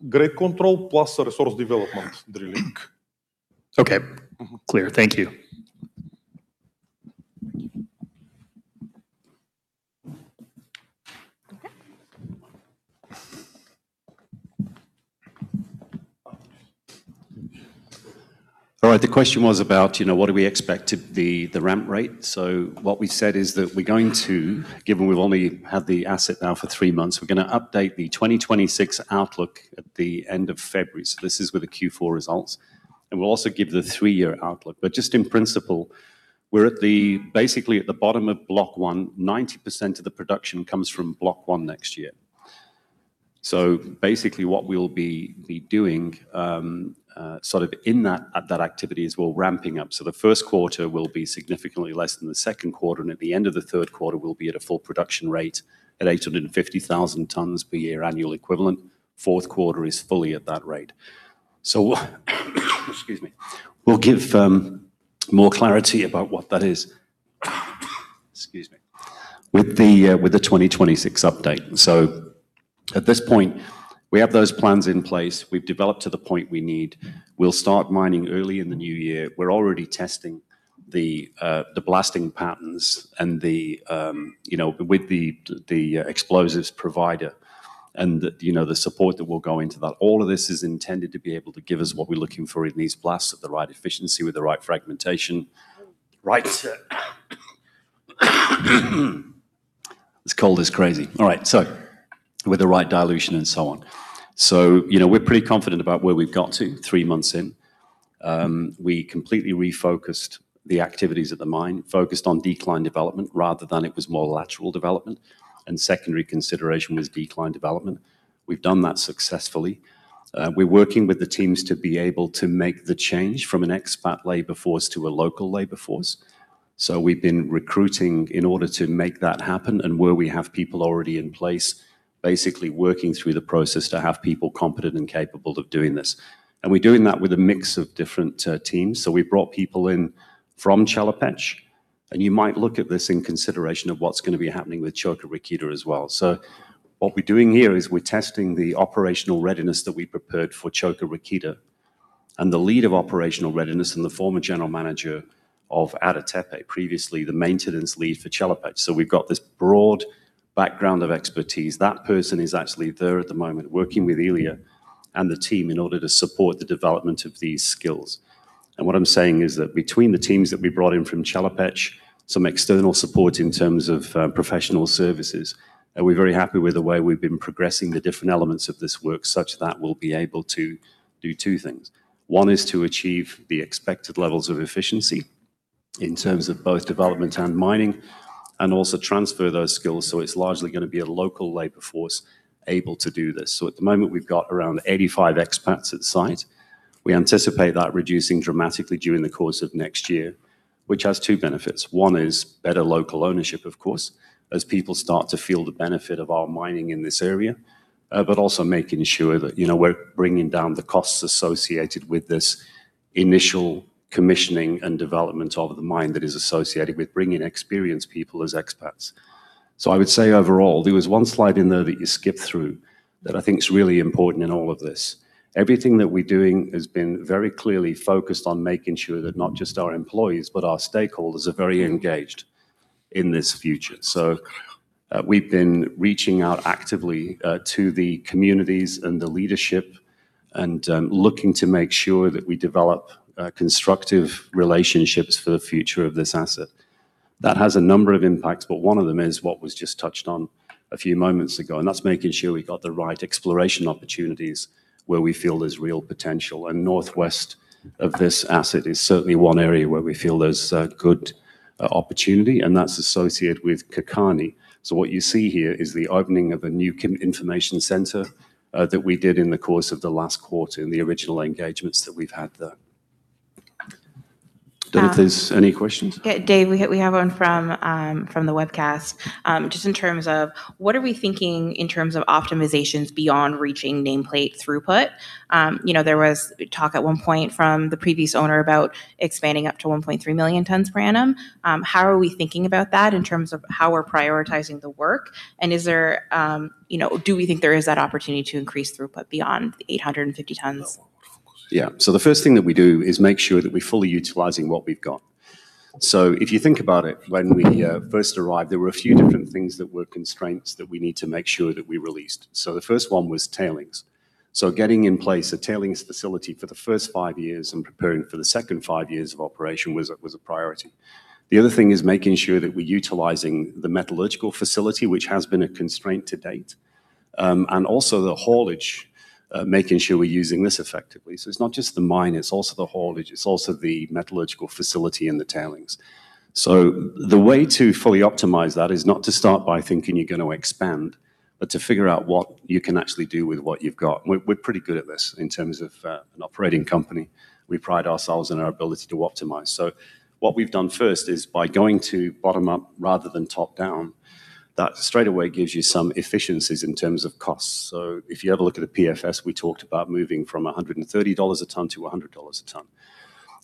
grade control plus resource development drilling. Okay. Clear. Thank you. All right. The question was about what do we expect to be the ramp rate. So what we said is that we're going to, given we've only had the asset now for three months, we're going to update the 2026 outlook at the end of February. So this is with the Q4 results. And we'll also give the three-year outlook. But just in principle, we're basically at the bottom Block 1. 90% of the production comes Block 1 next year. So basically, what we'll be doing sort of at that activity is we'll ramp up. So the first quarter will be significantly less than the second quarter, and at the end of the third quarter, we'll be at a full production rate at 850,000 tonnes per year annual equivalent. Fourth quarter is fully at that rate. So excuse me. We'll give more clarity about what that is with the 2026 update. So at this point, we have those plans in place. We've developed to the point we need. We'll start mining early in the new year. We're already testing the blasting patterns and with the explosives provider and the support that will go into that. All of this is intended to be able to give us what we're looking for in these blasts at the right efficiency with the right fragmentation. It's cold as crazy. All right, so with the right dilution and so on, so we're pretty confident about where we've got to three months in. We completely refocused the activities at the mine, focused on decline development rather than it was more lateral development, and secondary consideration was decline development. We've done that successfully. We're working with the teams to be able to make the change from an expat labor force to a local labor force, so we've been recruiting in order to make that happen. And where we have people already in place, basically working through the process to have people competent and capable of doing this. And we're doing that with a mix of different teams. So we brought people in from Chelopech. And you might look at this in consideration of what's going to be happening with Čoka Rakita as well. So what we're doing here is we're testing the operational readiness that we prepared for Čoka Rakita. And the lead of operational readiness and the former general manager of Ada Tepe, previously the maintenance lead for Chelopech. So we've got this broad background of expertise. That person is actually there at the moment working with Iliya and the team in order to support the development of these skills. What I'm saying is that between the teams that we brought in from Chelopech, some external support in terms of professional services, we're very happy with the way we've been progressing the different elements of this work such that we'll be able to do two things. One is to achieve the expected levels of efficiency in terms of both development and mining and also transfer those skills. It's largely going to be a local labor force able to do this. At the moment, we've got around 85 expats at site. We anticipate that reducing dramatically during the course of next year, which has two benefits. One is better local ownership, of course, as people start to feel the benefit of our mining in this area, but also making sure that we're bringing down the costs associated with this initial commissioning and development of the mine that is associated with bringing experienced people as expats. So I would say overall, there was one slide in there that you skipped through that I think is really important in all of this. Everything that we're doing has been very clearly focused on making sure that not just our employees, but our stakeholders are very engaged in this future. So we've been reaching out actively to the communities and the leadership and looking to make sure that we develop constructive relationships for the future of this asset. That has a number of impacts, but one of them is what was just touched on a few moments ago. That's making sure we got the right exploration opportunities where we feel there's real potential. Northwest of this asset is certainly one area where we feel there's good opportunity, and that's associated with Kakanj. What you see here is the opening of a new information center that we did in the course of the last quarter in the original engagements that we've had there. David, any questions? Dave, we have one from the webcast. Just in terms of what are we thinking in terms of optimizations beyond reaching nameplate throughput? There was talk at one point from the previous owner about expanding up to 1.3 million tonnes per annum. How are we thinking about that in terms of how we're prioritizing the work? Do we think there is that opportunity to increase throughput beyond 850 tonnes? Yeah. So the first thing that we do is make sure that we're fully utilizing what we've got. So if you think about it, when we first arrived, there were a few different things that were constraints that we need to make sure that we released. So the first one was tailings. So getting in place a tailings facility for the first five years and preparing for the second five years of operation was a priority. The other thing is making sure that we're utilizing the metallurgical facility, which has been a constraint to date, and also the haulage, making sure we're using this effectively. So it's not just the mine, it's also the haulage, it's also the metallurgical facility and the tailings. So the way to fully optimize that is not to start by thinking you're going to expand, but to figure out what you can actually do with what you've got. We're pretty good at this in terms of an operating company. We pride ourselves on our ability to optimize. So what we've done first is by going to bottom up rather than top down, that straightaway gives you some efficiencies in terms of costs. So if you ever look at the PFS, we talked about moving from $130 a ton to $100 a ton.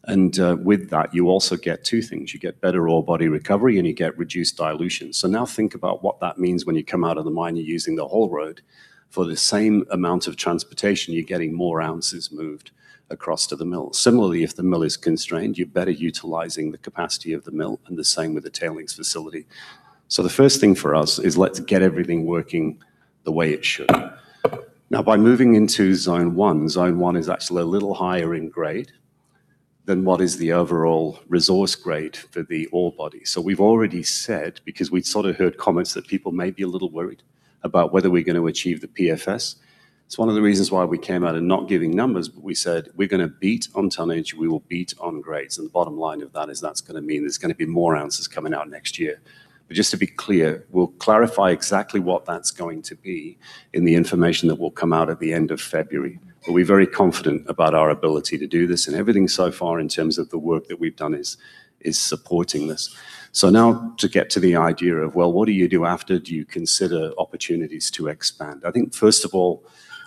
And with that, you also get two things. You get better ore body recovery and you get reduced dilution. So now think about what that means when you come out of the mine using the haul road. For the same amount of transportation, you're getting more ounces moved across to the mill. Similarly, if the mill is constrained, you're better utilizing the capacity of the mill and the same with the tailings facility. So the first thing for us is let's get everything working the way it should. Now, by moving into zone one, zone one is actually a little higher in grade than what is the overall resource grade for the ore body. So we've already said, because we'd sort of heard comments that people may be a little worried about whether we're going to achieve the PFS. It's one of the reasons why we came out and not giving numbers, but we said, "We're going to beat on tonnage, we will beat on grades." And the bottom line of that is that's going to mean there's going to be more ounces coming out next year. But just to be clear, we'll clarify exactly what that's going to be in the information that will come out at the end of February. But we're very confident about our ability to do this. And everything so far in terms of the work that we've done is supporting this. So now to get to the idea of, well, what do you do after? Do you consider opportunities to expand? I think, first of all,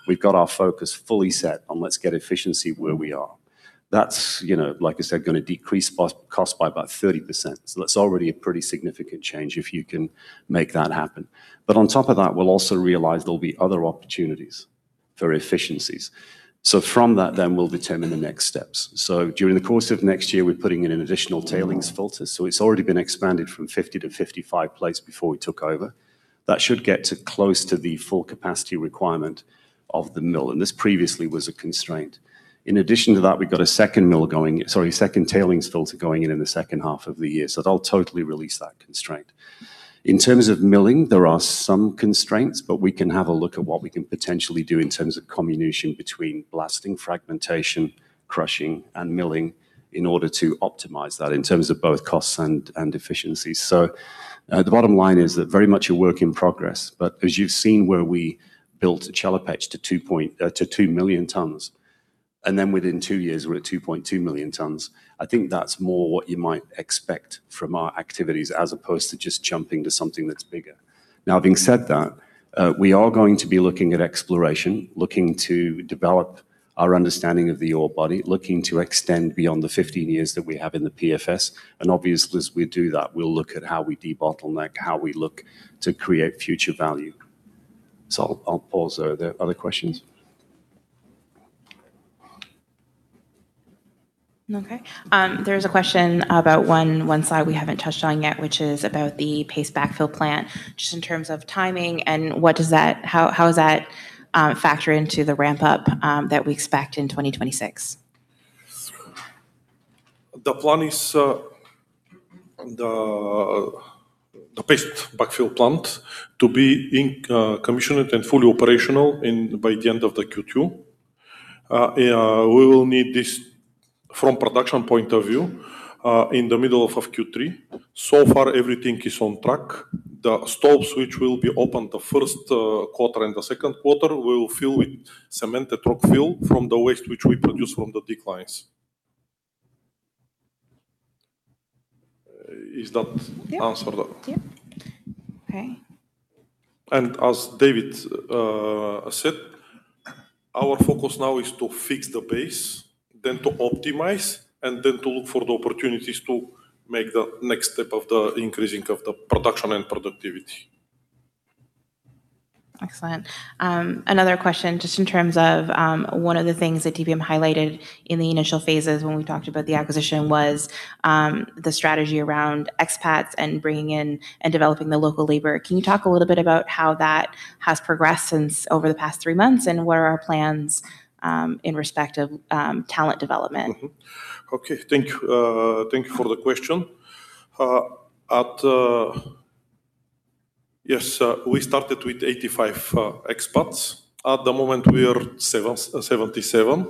we've got our focus fully set on let's get efficiency where we are. That's, like I said, going to decrease costs by about 30%. So that's already a pretty significant change if you can make that happen. But on top of that, we'll also realize there'll be other opportunities for efficiencies. So from that, then we'll determine the next steps. So during the course of next year, we're putting in an additional tailings filter. It's already been expanded from 50 to 55 plates before we took over. That should get close to the full capacity requirement of the mill. And this previously was a constraint. In addition to that, we've got a second mill going, sorry, second tailings filter going in in the second half of the year. So they'll totally release that constraint. In terms of milling, there are some constraints, but we can have a look at what we can potentially do in terms of comminution between blasting, fragmentation, crushing, and milling in order to optimize that in terms of both costs and efficiencies. So the bottom line is that very much a work in progress. But as you've seen where we built Chelopech to 2 million tonnes, and then within two years, we're at 2.2 million tonnes, I think that's more what you might expect from our activities as opposed to just jumping to something that's bigger. Now, having said that, we are going to be looking at exploration, looking to develop our understanding of the ore body, looking to extend beyond the 15 years that we have in the PFS. And obviously, as we do that, we'll look at how we debottle and how we look to create future value. So I'll pause there. Other questions? Okay. There's a question about one slide we haven't touched on yet, which is about the paste backfill plant. Just in terms of timing and how does that factor into the ramp-up that we expect in 2026? The plan is the paste backfill plant to be commissioned and fully operational by the end of the Q2. We will need this from a production point of view in the middle of Q3. So far, everything is on track. The stopes, which will be opened the first quarter and the second quarter, will fill with cemented rockfill from the waste which we produce from the declines. Is that answered? Yeah. Okay. And as David said, our focus now is to fix the base, then to optimize, and then to look for the opportunities to make the next step of the increasing of the production and productivity. Excellent. Another question, just in terms of one of the things that DPM highlighted in the initial phases when we talked about the acquisition was the strategy around expats and bringing in and developing the local labor. Can you talk a little bit about how that has progressed over the past three months and what are our plans in respect of talent development? Okay. Thank you for the question. Yes, we started with 85 expats. At the moment, we are 77.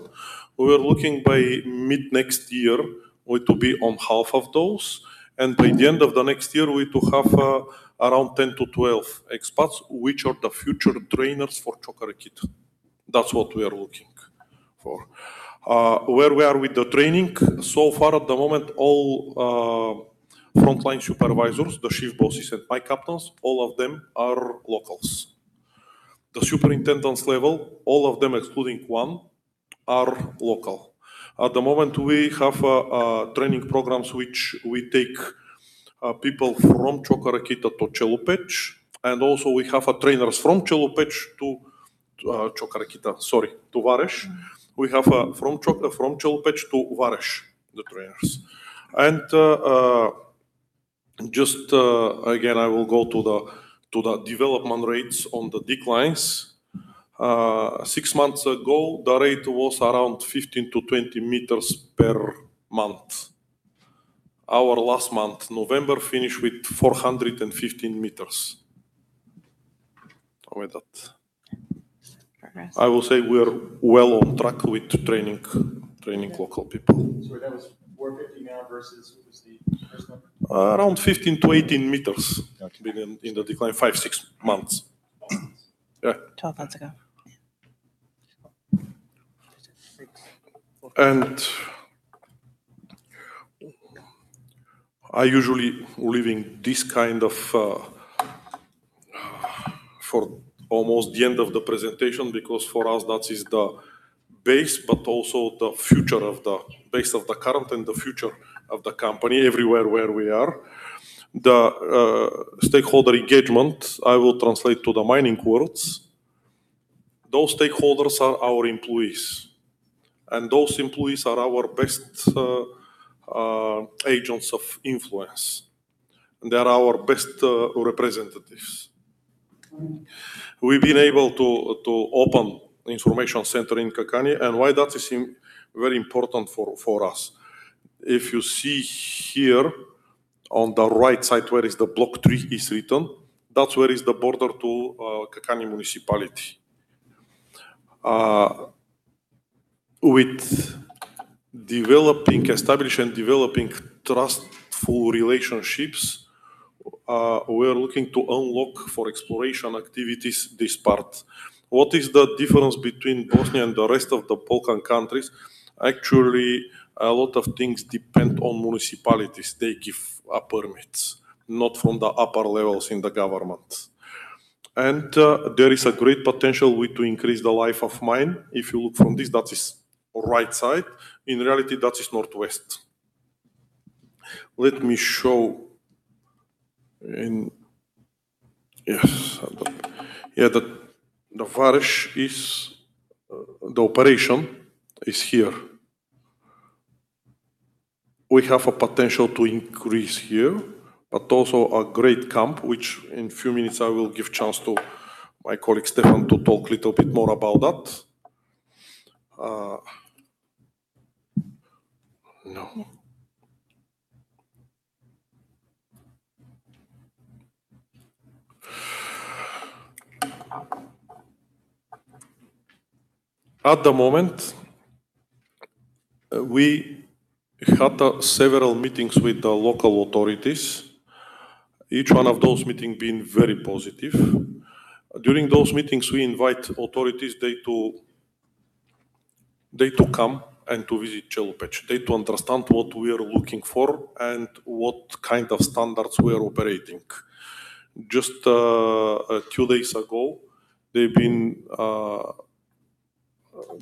We are looking by mid-next year to be on half of those. And by the end of the next year, we will have around 10 to 12 expats, which are the future trainers for Čoka Rakita. That's what we are looking for. Where we are with the training, so far at the moment, all frontline supervisors, the chief bosses, and my captains, all of them are locals. The superintendents level, all of them, excluding one, are local. At the moment, we have a training program, which we take people from Čoka Rakita to Chelopech. And also, we have trainers from Chelopech to Čoka Rakita, sorry, to Vareš. We have from Chelopech to Vareš, the trainers. Just again, I will go to the development rates on the declines. Six months ago, the rate was around 15 m-20 m per month. Our last month, November, finished with 415 m. I will say we are well on track with training local people. That was 450 now versus what was the first number? Around 15 m-18 m in the decline, five, six months. Yeah. 12 months ago. I usually leave this kind of for almost the end of the presentation because for us, that is the base, but also the future of the base of the current and the future of the company everywhere where we are. The stakeholder engagement, I will translate to the mining worlds. Those stakeholders are our employees. Those employees are our best agents of influence. They are our best representatives. We've been able to open the information center in Kakanj, and why that is very important for us? If you see here on the right side where the Block 3 is written, that's where is the border to Kakanj municipality. With establishing and developing trustful relationships, we are looking to unlock for exploration activities this part. What is the difference between Bosnia and the rest of the Balkan countries? Actually, a lot of things depend on municipalities. They give permits, not from the upper levels in the government, and there is a great potential to increase the life of mine. If you look from this, that is right side. In reality, that is northwest. Let me show. Yeah, the Vareš is the operation is here. We have a potential to increase here, but also a great camp, which in a few minutes, I will give a chance to my colleague Stefan to talk a little bit more about that. At the moment, we had several meetings with the local authorities. Each one of those meetings been very positive. During those meetings, we invite authorities to come and to visit Chelopech. They to understand what we are looking for and what kind of standards we are operating. Just two days ago, they've been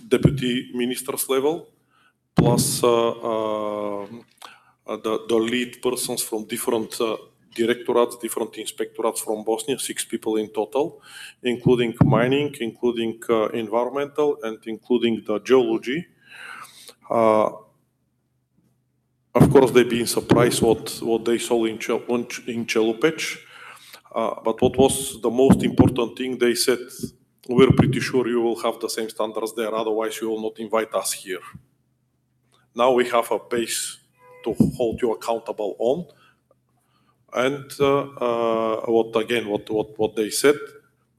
deputy ministers level, plus the lead persons from different directorates, different inspectorates from Bosnia, six people in total, including mining, including environmental, and including the geology. Of course, they've been surprised what they saw in Chelopech. But what was the most important thing? They said, "We're pretty sure you will have the same standards there. Otherwise, you will not invite us here." Now we have a base to hold you accountable on. And again, what they said,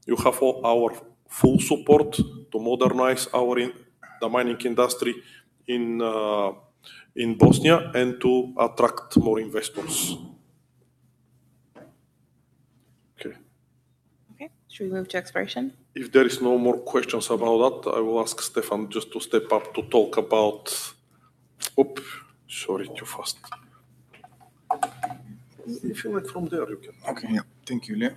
"You have our full support to modernize the mining industry in Bosnia and to attract more investors." Okay. Okay. Should we move to exploration? If there are no more questions about that, I will ask Stefan just to step up to talk about. Oops. Sorry, too fast. If you went from there, you can. Okay. Yeah. Thank you, Iliya.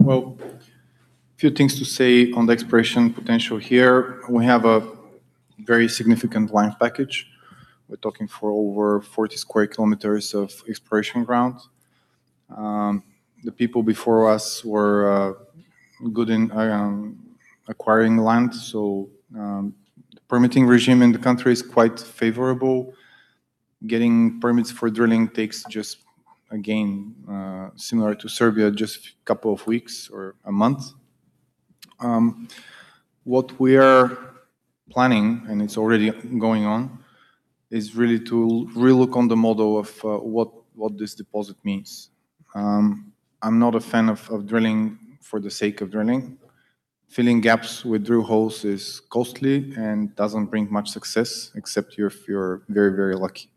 Well, a few things to say on the exploration potential here. We have a very significant land package. We're talking for over 40 sq km of exploration ground. The people before us were good in acquiring land. So the permitting regime in the country is quite favorable. Getting permits for drilling takes just, again, similar to Serbia, just a couple of weeks or a month. What we are planning, and it's already going on, is really to relook on the model of what this deposit means. I'm not a fan of drilling for the sake of drilling. Filling gaps with drill holes is costly and doesn't bring much success except if you're very, very lucky.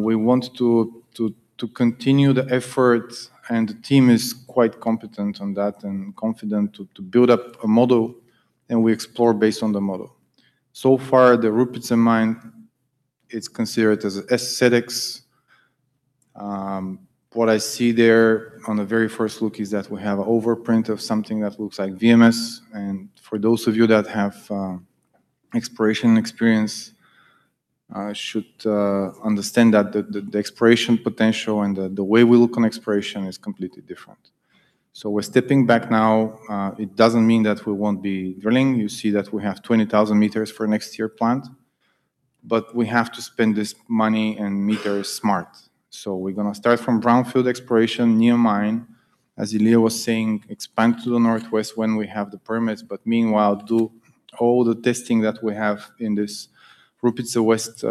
We want to continue the effort, and the team is quite competent on that and confident to build up a model, and we explore based on the model. So far, the Rupice mine, it's considered as SEDEX. What I see there on the very first look is that we have an overprint of something that looks like VMS, and for those of you that have exploration experience, should understand that the exploration potential and the way we look on exploration is completely different, so we're stepping back now. It doesn't mean that we won't be drilling. You see that we have 20,000 m for next year planned. But we have to spend this money and mine it smart. So we're going to start from brownfield exploration, near mine. As Iliya was saying, expand to the northwest when we have the permits. But meanwhile, do all the testing that we have in this Rupice West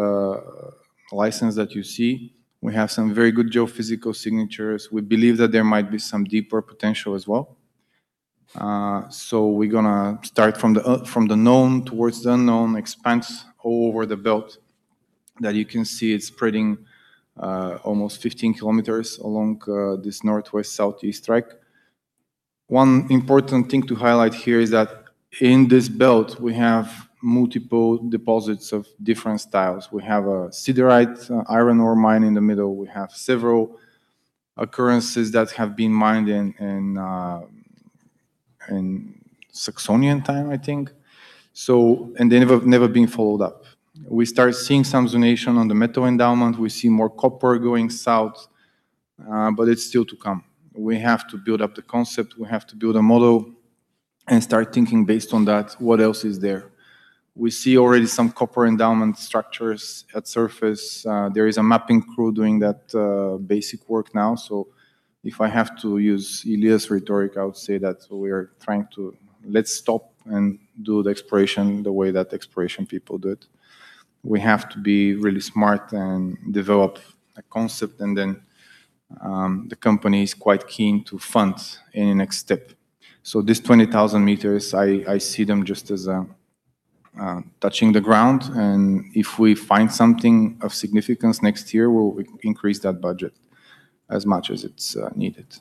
license that you see. We have some very good geophysical signatures. We believe that there might be some deeper potential as well. So we're going to start from the known towards the unknown, expand all over the belt that you can see it's spreading almost 15 km along this northwest-southeast track. One important thing to highlight here is that in this belt, we have multiple deposits of different styles. We have a siderite iron ore mine in the middle. We have several occurrences that have been mined in Saxon time, I think. And they've never been followed up. We start seeing some zonation on the metal endowment. We see more copper going south, but it's still to come. We have to build up the concept. We have to build a model and start thinking based on that, what else is there. We see already some copper endowment structures at surface. There is a mapping crew doing that basic work now. So if I have to use Iliya's rhetoric, I would say that we are trying to, let's stop and do the exploration the way that exploration people do it. We have to be really smart and develop a concept, and then the company is quite keen to fund any next step. So this 20,000 m, I see them just as touching the ground. And if we find something of significance next year, we'll increase that budget as much as it's needed.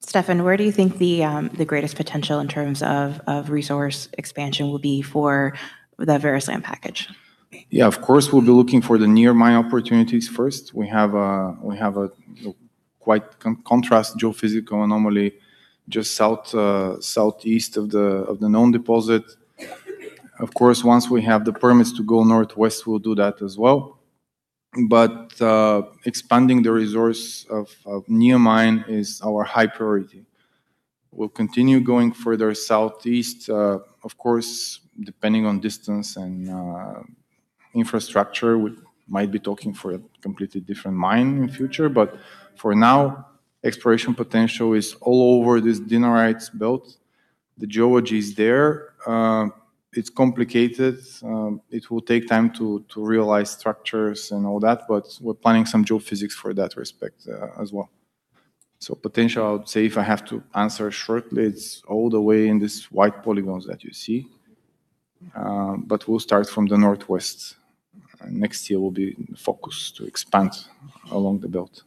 Stefan, where do you think the greatest potential in terms of resource expansion will be for the various land package? Yeah, of course, we'll be looking for the near-mine opportunities first. We have a high-contrast geophysical anomaly just southeast of the known deposit. Of course, once we have the permits to go northwest, we'll do that as well. But expanding the resource of near-mine is our high priority. We'll continue going further southeast. Of course, depending on distance and infrastructure, we might be talking for a completely different mine in the future. But for now, exploration potential is all over this Dinarides belt. The geology is there. It's complicated. It will take time to realize structures and all that. But we're planning some geophysics in that respect as well. So potential, I would say, if I have to answer shortly, it's all the way in this white polygons that you see. But we'll start from the northwest. Next year will be focused to expand along the belt.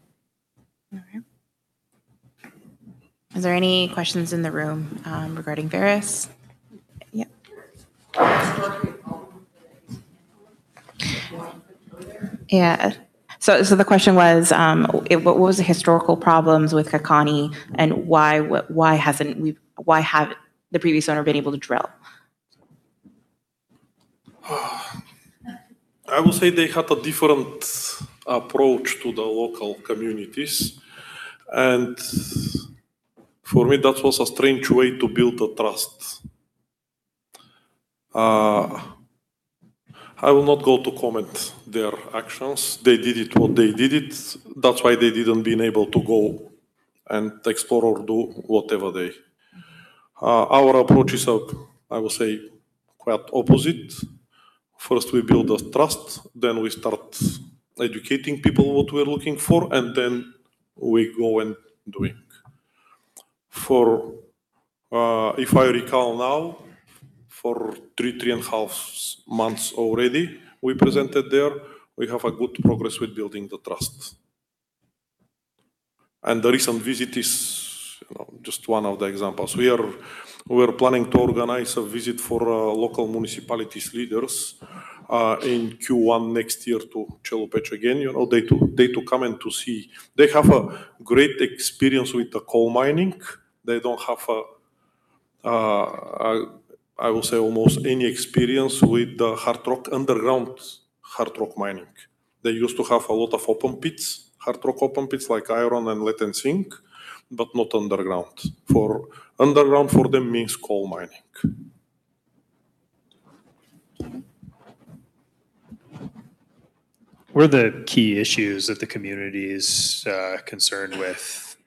All right. Is there any questions in the room regarding Vareš? Yeah. Yeah. So the question was, what was the historical problems with Kakanj and why hasn't the previous owner been able to drill? I will say they had a different approach to the local communities. And for me, that was a strange way to build a trust. I will not go to comment their actions. They did it what they did it. That's why they didn't be able to go and explore or do whatever they. Our approach is, I will say, quite opposite. First, we build a trust, then we start educating people what we're looking for, and then we go and do it. If I recall now, for three and a half months already, we presented there, we have a good progress with building the trust. And the recent visit is just one of the examples. We were planning to organize a visit for local municipalities leaders in Q1 next year to Chelopech again. They to come and to see. They have a great experience with the coal mining. They don't have, I will say, almost any experience with the hard rock underground, hard rock mining. They used to have a lot of open pits, hard rock open pits like iron and lead and zinc, but not underground. For underground, for them, means coal mining. What are the key issues that the community is concerned with?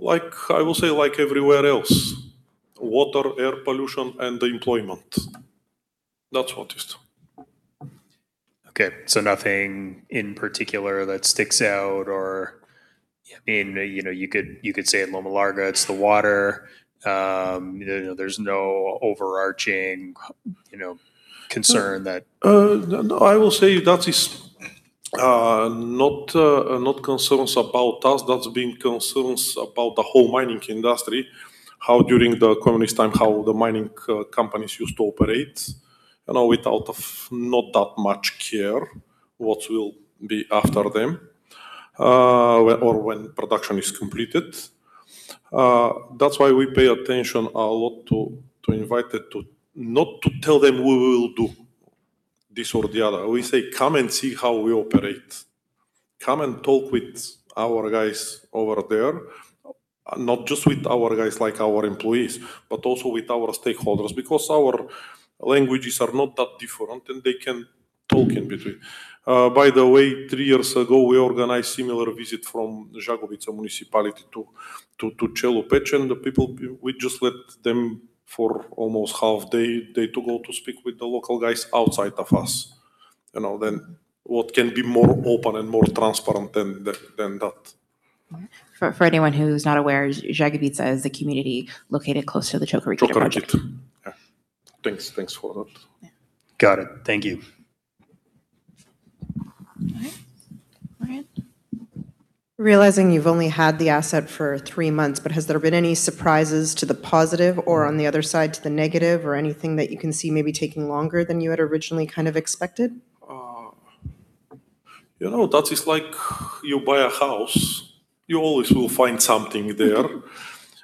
I will say like everywhere else, water, air pollution, and the employment. That's what is. Okay. So nothing in particular that sticks out or you could say at Loma Larga, it's the water. There's no overarching concern that. I will say that is not concerns about us. That's been concerns about the whole mining industry, how during the communist time, how the mining companies used to operate without not that much care, what will be after them or when production is completed. That's why we pay attention a lot to invite it to not to tell them we will do this or the other. We say, "Come and see how we operate. Come and talk with our guys over there, not just with our guys like our employees, but also with our stakeholders because our languages are not that different and they can talk in between." By the way, three years ago, we organized similar visit from Žagubica municipality to Chelopech and the people. We just let them for almost half day to go to speak with the local guys outside of us. Then what can be more open and more transparent than that? For anyone who's not aware, Žagubica is a community located close to the Čoka Rakita project. Čoka Rakita. Yeah. Thanks for that. Got it. Thank you. All right. All right. Realizing you've only had the asset for three months, but has there been any surprises to the positive or on the other side to the negative or anything that you can see maybe taking longer than you had originally kind of expected? That is like you buy a house, you always will find something there.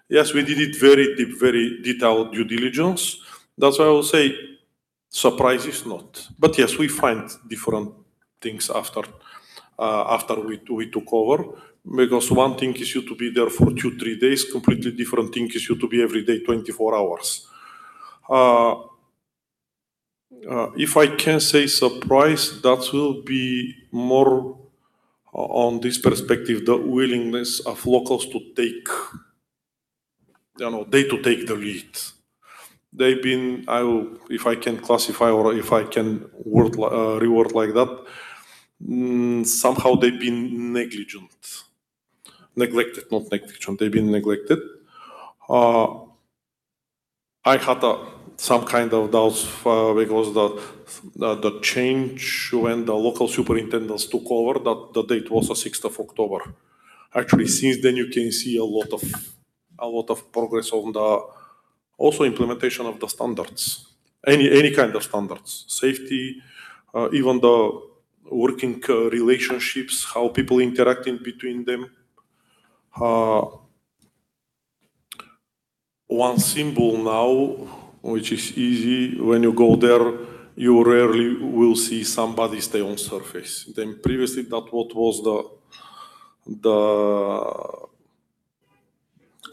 Yes, we did it very deep, very detailed due diligence. That's why I will say surprises, not. But yes, we find different things after we took over because one thing is you to be there for two, three days, completely different thing is you to be every day, 24 hours. If I can say surprise, that will be more on this perspective, the willingness of locals to take they to take the lead. They've been, if I can classify or if I can reword like that, somehow they've been negligent, neglected, not negligent. They've been neglected. I had some kind of doubts because the change when the local superintendents took over, the date was the 6th of October. Actually, since then, you can see a lot of progress on the ISO implementation of the standards, any kind of standards, safety, even the working relationships, how people interacting between them. One symbol now, which is easy, when you go there, you rarely will see somebody stay on surface. Then previously, that what was the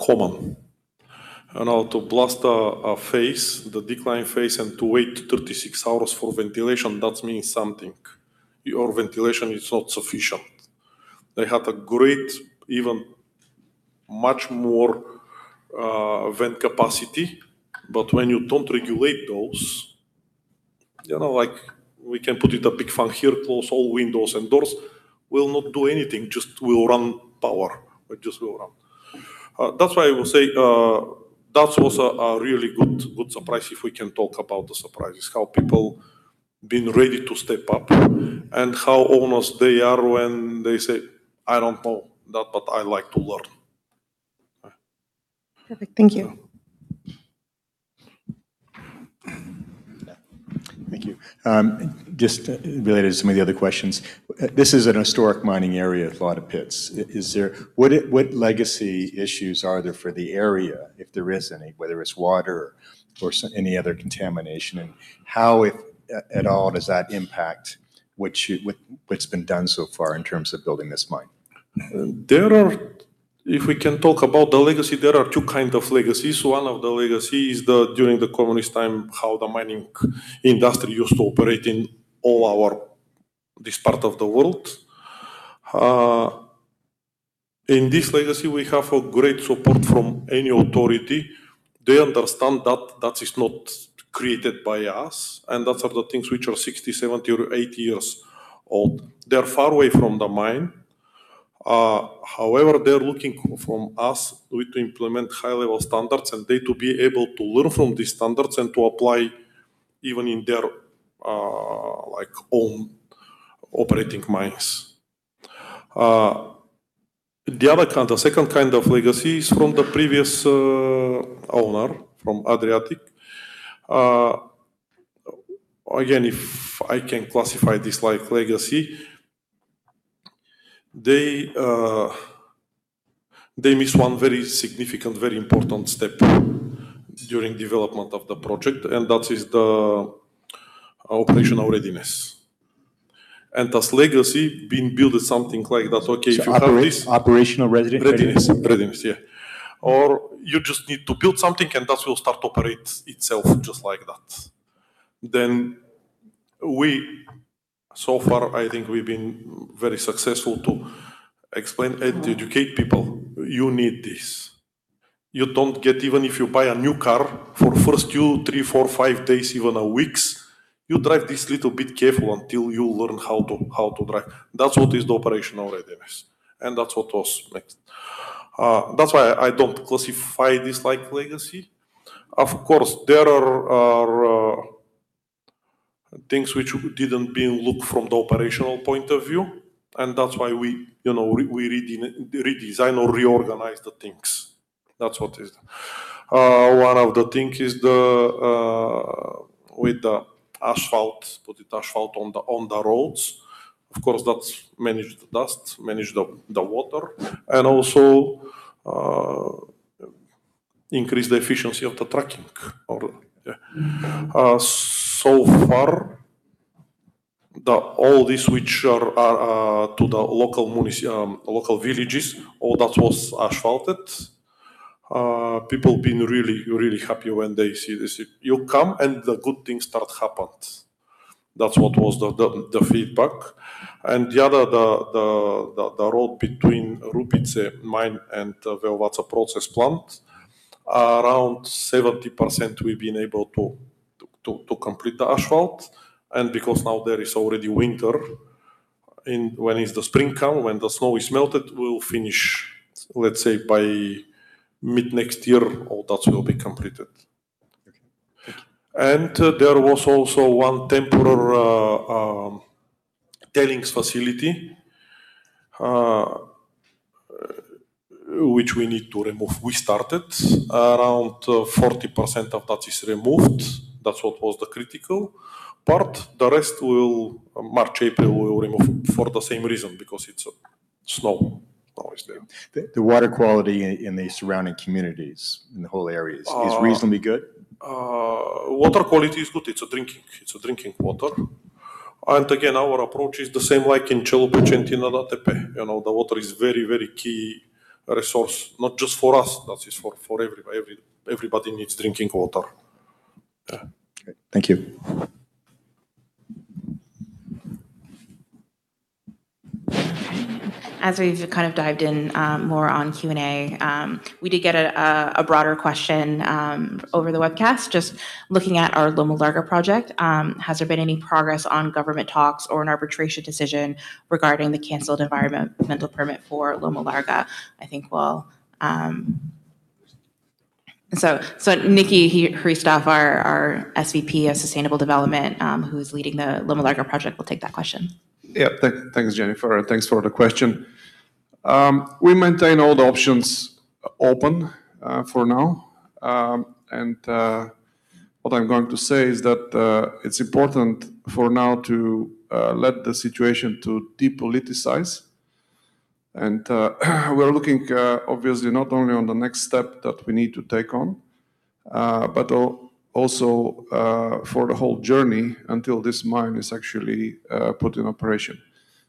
common. To blast a face, the decline face, and to wait 36 hours for ventilation, that means something. Your ventilation is not sufficient. They had a great, even much more vent capacity, but when you don't regulate those, we can put in a big fan here, close all windows and doors, will not do anything, just will burn power. It just will run. That's why I will say that was a really good surprise if we can talk about the surprises, how people been ready to step up and how honest they are when they say, "I don't know that, but I like to learn." Perfect. Thank you. Thank you. Just related to some of the other questions. This is a historic mining area with a lot of pits. What legacy issues are there for the area, if there is any, whether it's water or any other contamination? And how, if at all, does that impact what's been done so far in terms of building this mine? If we can talk about the legacy, there are two kinds of legacies. One of the legacies during the communist time, how the mining industry used to operate in all this part of the world. In this legacy, we have a great support from any authority. They understand that that is not created by us. And that's the things which are 60, 70, or 80 years old. They're far away from the mine. However, they're looking from us to implement high-level standards and they to be able to learn from these standards and to apply even in their own operating mines. The second kind of legacy is from the previous owner from Adriatic. Again, if I can classify this legacy, they miss one very significant, very important step during development of the project, and that is the operational readiness. And as legacy, been built something like that, okay, if you have this. Operational readiness. Readiness, yeah. Or you just need to build something and that will start to operate itself just like that. Then so far, I think we've been very successful to explain and educate people. You need this. You don't get even if you buy a new car for the first two, three, four, five days, even a week, you drive this little bit careful until you learn how to drive. That's what is the operational readiness, and that's what was made. That's why I don't classify this like legacy. Of course, there are things which didn't be looked from the operational point of view, and that's why we redesign or reorganize the things. That's what is done. One of the things is with the asphalt, put the asphalt on the roads. Of course, that's manage the dust, manage the water, and also increase the efficiency of the trucking. So far, all these which are to the local villages, all that was asphalted. People been really, really happy when they see this. You come and the good things start happened. That's what was the feedback. The other road between Rupice mine and the Veovača process plant, around 70% we've been able to complete the asphalt. Because now there is already winter, when is the spring come, when the snow is melted, we'll finish, let's say, by mid next year, all that will be completed. There was also one temporary tailings facility which we need to remove. We started around 40% of that is removed. That's what was the critical part. The rest, March-April, we'll remove for the same reason because it's snow. The water quality in the surrounding communities, in the whole areas, is reasonably good. Water quality is good. It's drinking. It's drinking water. Again, our approach is the same like in Chelopech and Ada Tepe. The water is a very, very key resource, not just for us. That is for everybody. Everybody needs drinking water. Thank you. As we've kind of dived in more on Q&A, we did get a broader question over the webcast. Just looking at our Loma Larga project, has there been any progress on government talks or an arbitration decision regarding the canceled environmental permit for Loma Larga? I think we'll have Nikolay Hristov, our SVP of Sustainable Development, who is leading the Loma Larga project, will take that question. Yeah. Thanks, Jennifer. Thanks for the question. We maintain all the options open for now, and what I'm going to say is that it's important for now to let the situation depoliticize, and we're looking, obviously, not only on the next step that we need to take on, but also for the whole journey until this mine is actually put in operation,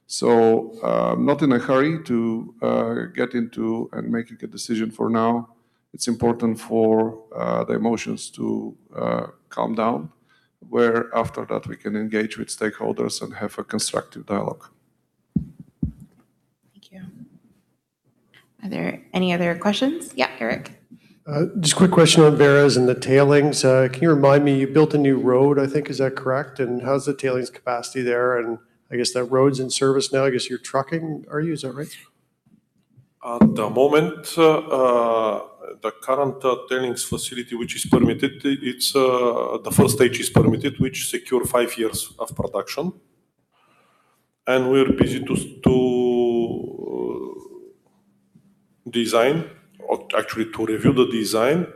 so not in a hurry to get into and making a decision for now. It's important for the emotions to calm down, where after that, we can engage with stakeholders and have a constructive dialogue. Thank you. Are there any other questions? Yeah, Eric. Just a quick question on Vareš and the tailings. Can you remind me you built a new road, I think? Is that correct? And how's the tailings capacity there? And I guess that road's in service now. I guess you're trucking, are you? Is that right? At the moment, the current tailings facility which is permitted, the first stage is permitted, which secures five years of production. And we're busy to design, actually to review the design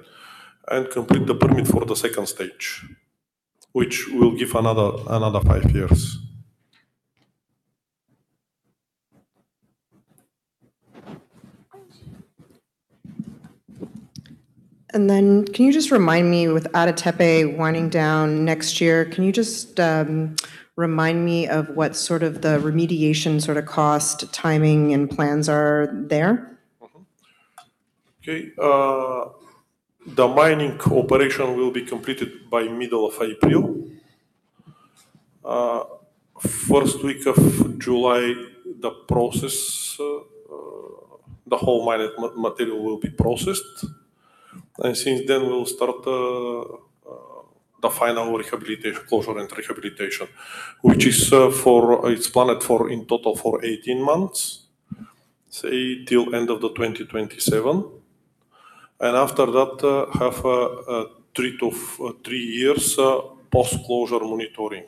and complete the permit for the second stage, which will give another five years. And then can you just remind me with Ada Tepe winding down next year, can you just remind me of what sort of the remediation sort of cost, timing, and plans are there? Okay. The mining operation will be completed by middle of April. First week of July, the whole mining material will be processed. And since then, we'll start the final closure and rehabilitation, which is planned for in total for 18 months, say, till end of 2027. And after that, have a period of three years post-closure monitoring.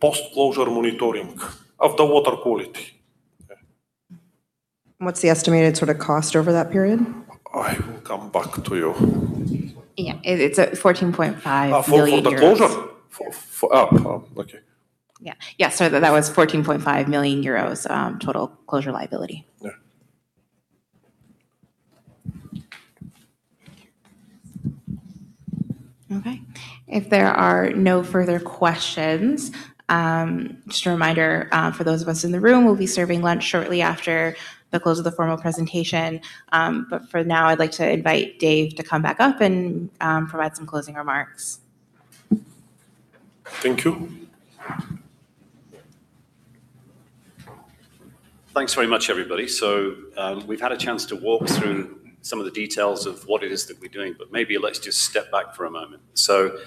Post-closure monitoring of the water quality. What's the estimated sort of cost over that period? I will come back to you. Yeah. It's 14.5 million euros. For the closure? Okay. Yeah. Yeah. So that was 14.5 million euros total closure liability. Okay. If there are no further questions, just a reminder for those of us in the room, we'll be serving lunch shortly after the close of the formal presentation. But for now, I'd like to invite Dave to come back up and provide some closing remarks. Thank you. Thanks very much, everybody. So we've had a chance to walk through some of the details of what it is that we're doing, but maybe let's just step back for a moment. So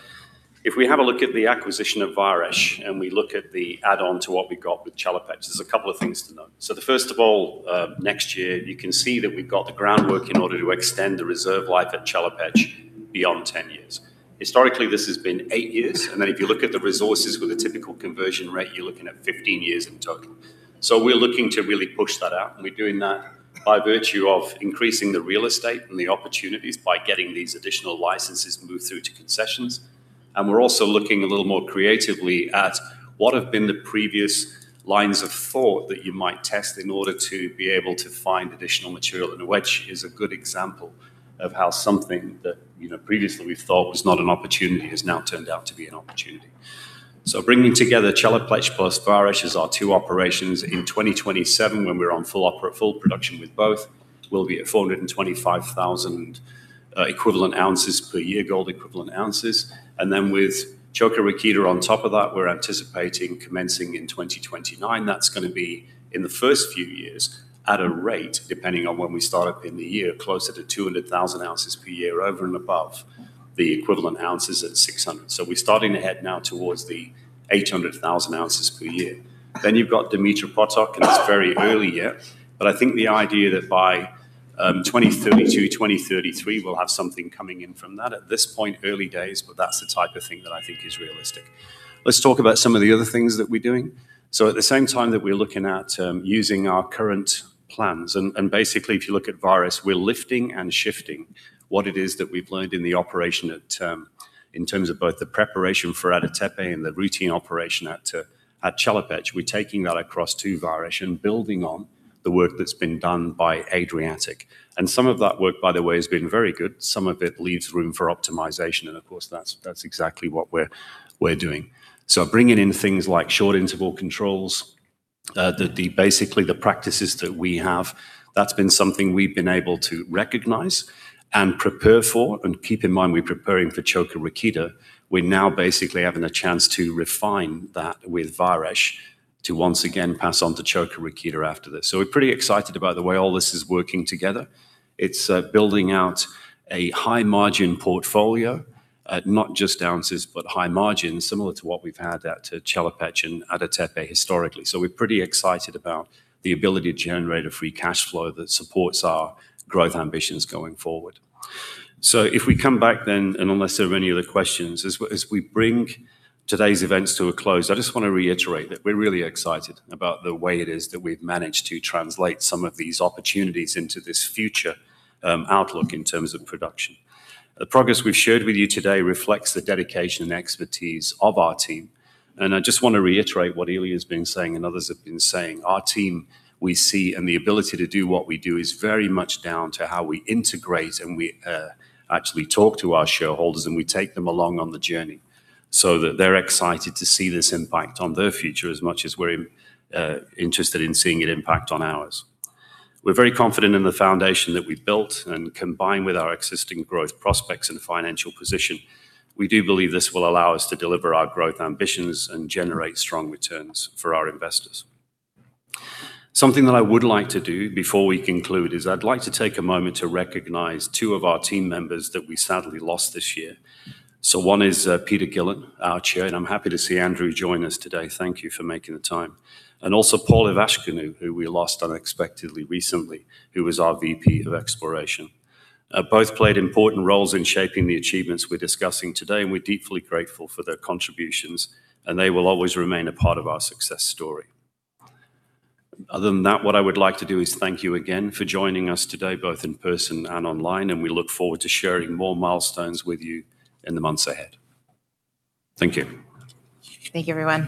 if we have a look at the acquisition of Vareš and we look at the add-on to what we got with Chelopech, there's a couple of things to know. So the first of all, next year, you can see that we've got the groundwork in order to extend the reserve life at Chelopech beyond 10 years. Historically, this has been eight years. And then if you look at the resources with a typical conversion rate, you're looking at 15 years in total. So we're looking to really push that out. And we're doing that by virtue of increasing the real estate and the opportunities by getting these additional licenses moved through to concessions. And we're also looking a little more creatively at what have been the previous lines of thought that you might test in order to be able to find additional material, which is a good example of how something that previously we thought was not an opportunity has now turned out to be an opportunity. So bringing together Chelopech plus Vareš is our two operations in 2027 when we're on full production with both. We'll be at 425,000 equivalent ounces per year, gold equivalent ounces. And then with Čoka Rakita on top of that, we're anticipating commencing in 2029. That's going to be in the first few years at a rate, depending on when we start up in the year, closer to 200,000 ounces per year over and above the equivalent ounces at 600. So we're starting ahead now towards the 800,000 ounces per year. Then you've got Dumitru Potok, and it's very early yet. But I think the idea that by 2032, 2033, we'll have something coming in from that at this point, early days, but that's the type of thing that I think is realistic. Let's talk about some of the other things that we're doing. So at the same time that we're looking at using our current plans, and basically, if you look at Vareš, we're lifting and shifting what it is that we've learned in the operation in terms of both the preparation for Ada Tepe and the routine operation at Chelopech. We're taking that across to Vareš and building on the work that's been done by Adriatic. Some of that work, by the way, has been very good. Some of it leaves room for optimization. Of course, that's exactly what we're doing. Bringing in things like short interval controls, basically the practices that we have, that's been something we've been able to recognize and prepare for. Keep in mind, we're preparing for Čoka Rakita. We're now basically having a chance to refine that with Vareš to once again pass on to Čoka Rakita after this. We're pretty excited about the way all this is working together. It's building out a high-margin portfolio, not just ounces, but high margin, similar to what we've had at Chelopech and Ada Tepe historically. So we're pretty excited about the ability to generate a free cash flow that supports our growth ambitions going forward. So if we come back then, and unless there are any other questions, as we bring today's events to a close, I just want to reiterate that we're really excited about the way it is that we've managed to translate some of these opportunities into this future outlook in terms of production. The progress we've shared with you today reflects the dedication and expertise of our team. And I just want to reiterate what Iliya has been saying and others have been saying. Our team, we see, and the ability to do what we do is very much down to how we integrate and we actually talk to our shareholders and we take them along on the journey so that they're excited to see this impact on their future as much as we're interested in seeing it impact on ours. We're very confident in the foundation that we've built and combined with our existing growth prospects and financial position. We do believe this will allow us to deliver our growth ambitions and generate strong returns for our investors. Something that I would like to do before we conclude is I'd like to take a moment to recognize two of our team members that we sadly lost this year. So one is Peter Gillin, our Chair, and I'm happy to see Andrew join us today. Thank you for making the time. And also Paul Ivascanu, who we lost unexpectedly recently, who was our VP of Exploration. Both played important roles in shaping the achievements we're discussing today, and we're deeply grateful for their contributions, and they will always remain a part of our success story. Other than that, what I would like to do is thank you again for joining us today, both in person and online, and we look forward to sharing more milestones with you in the months ahead. Thank you. Thank you, everyone.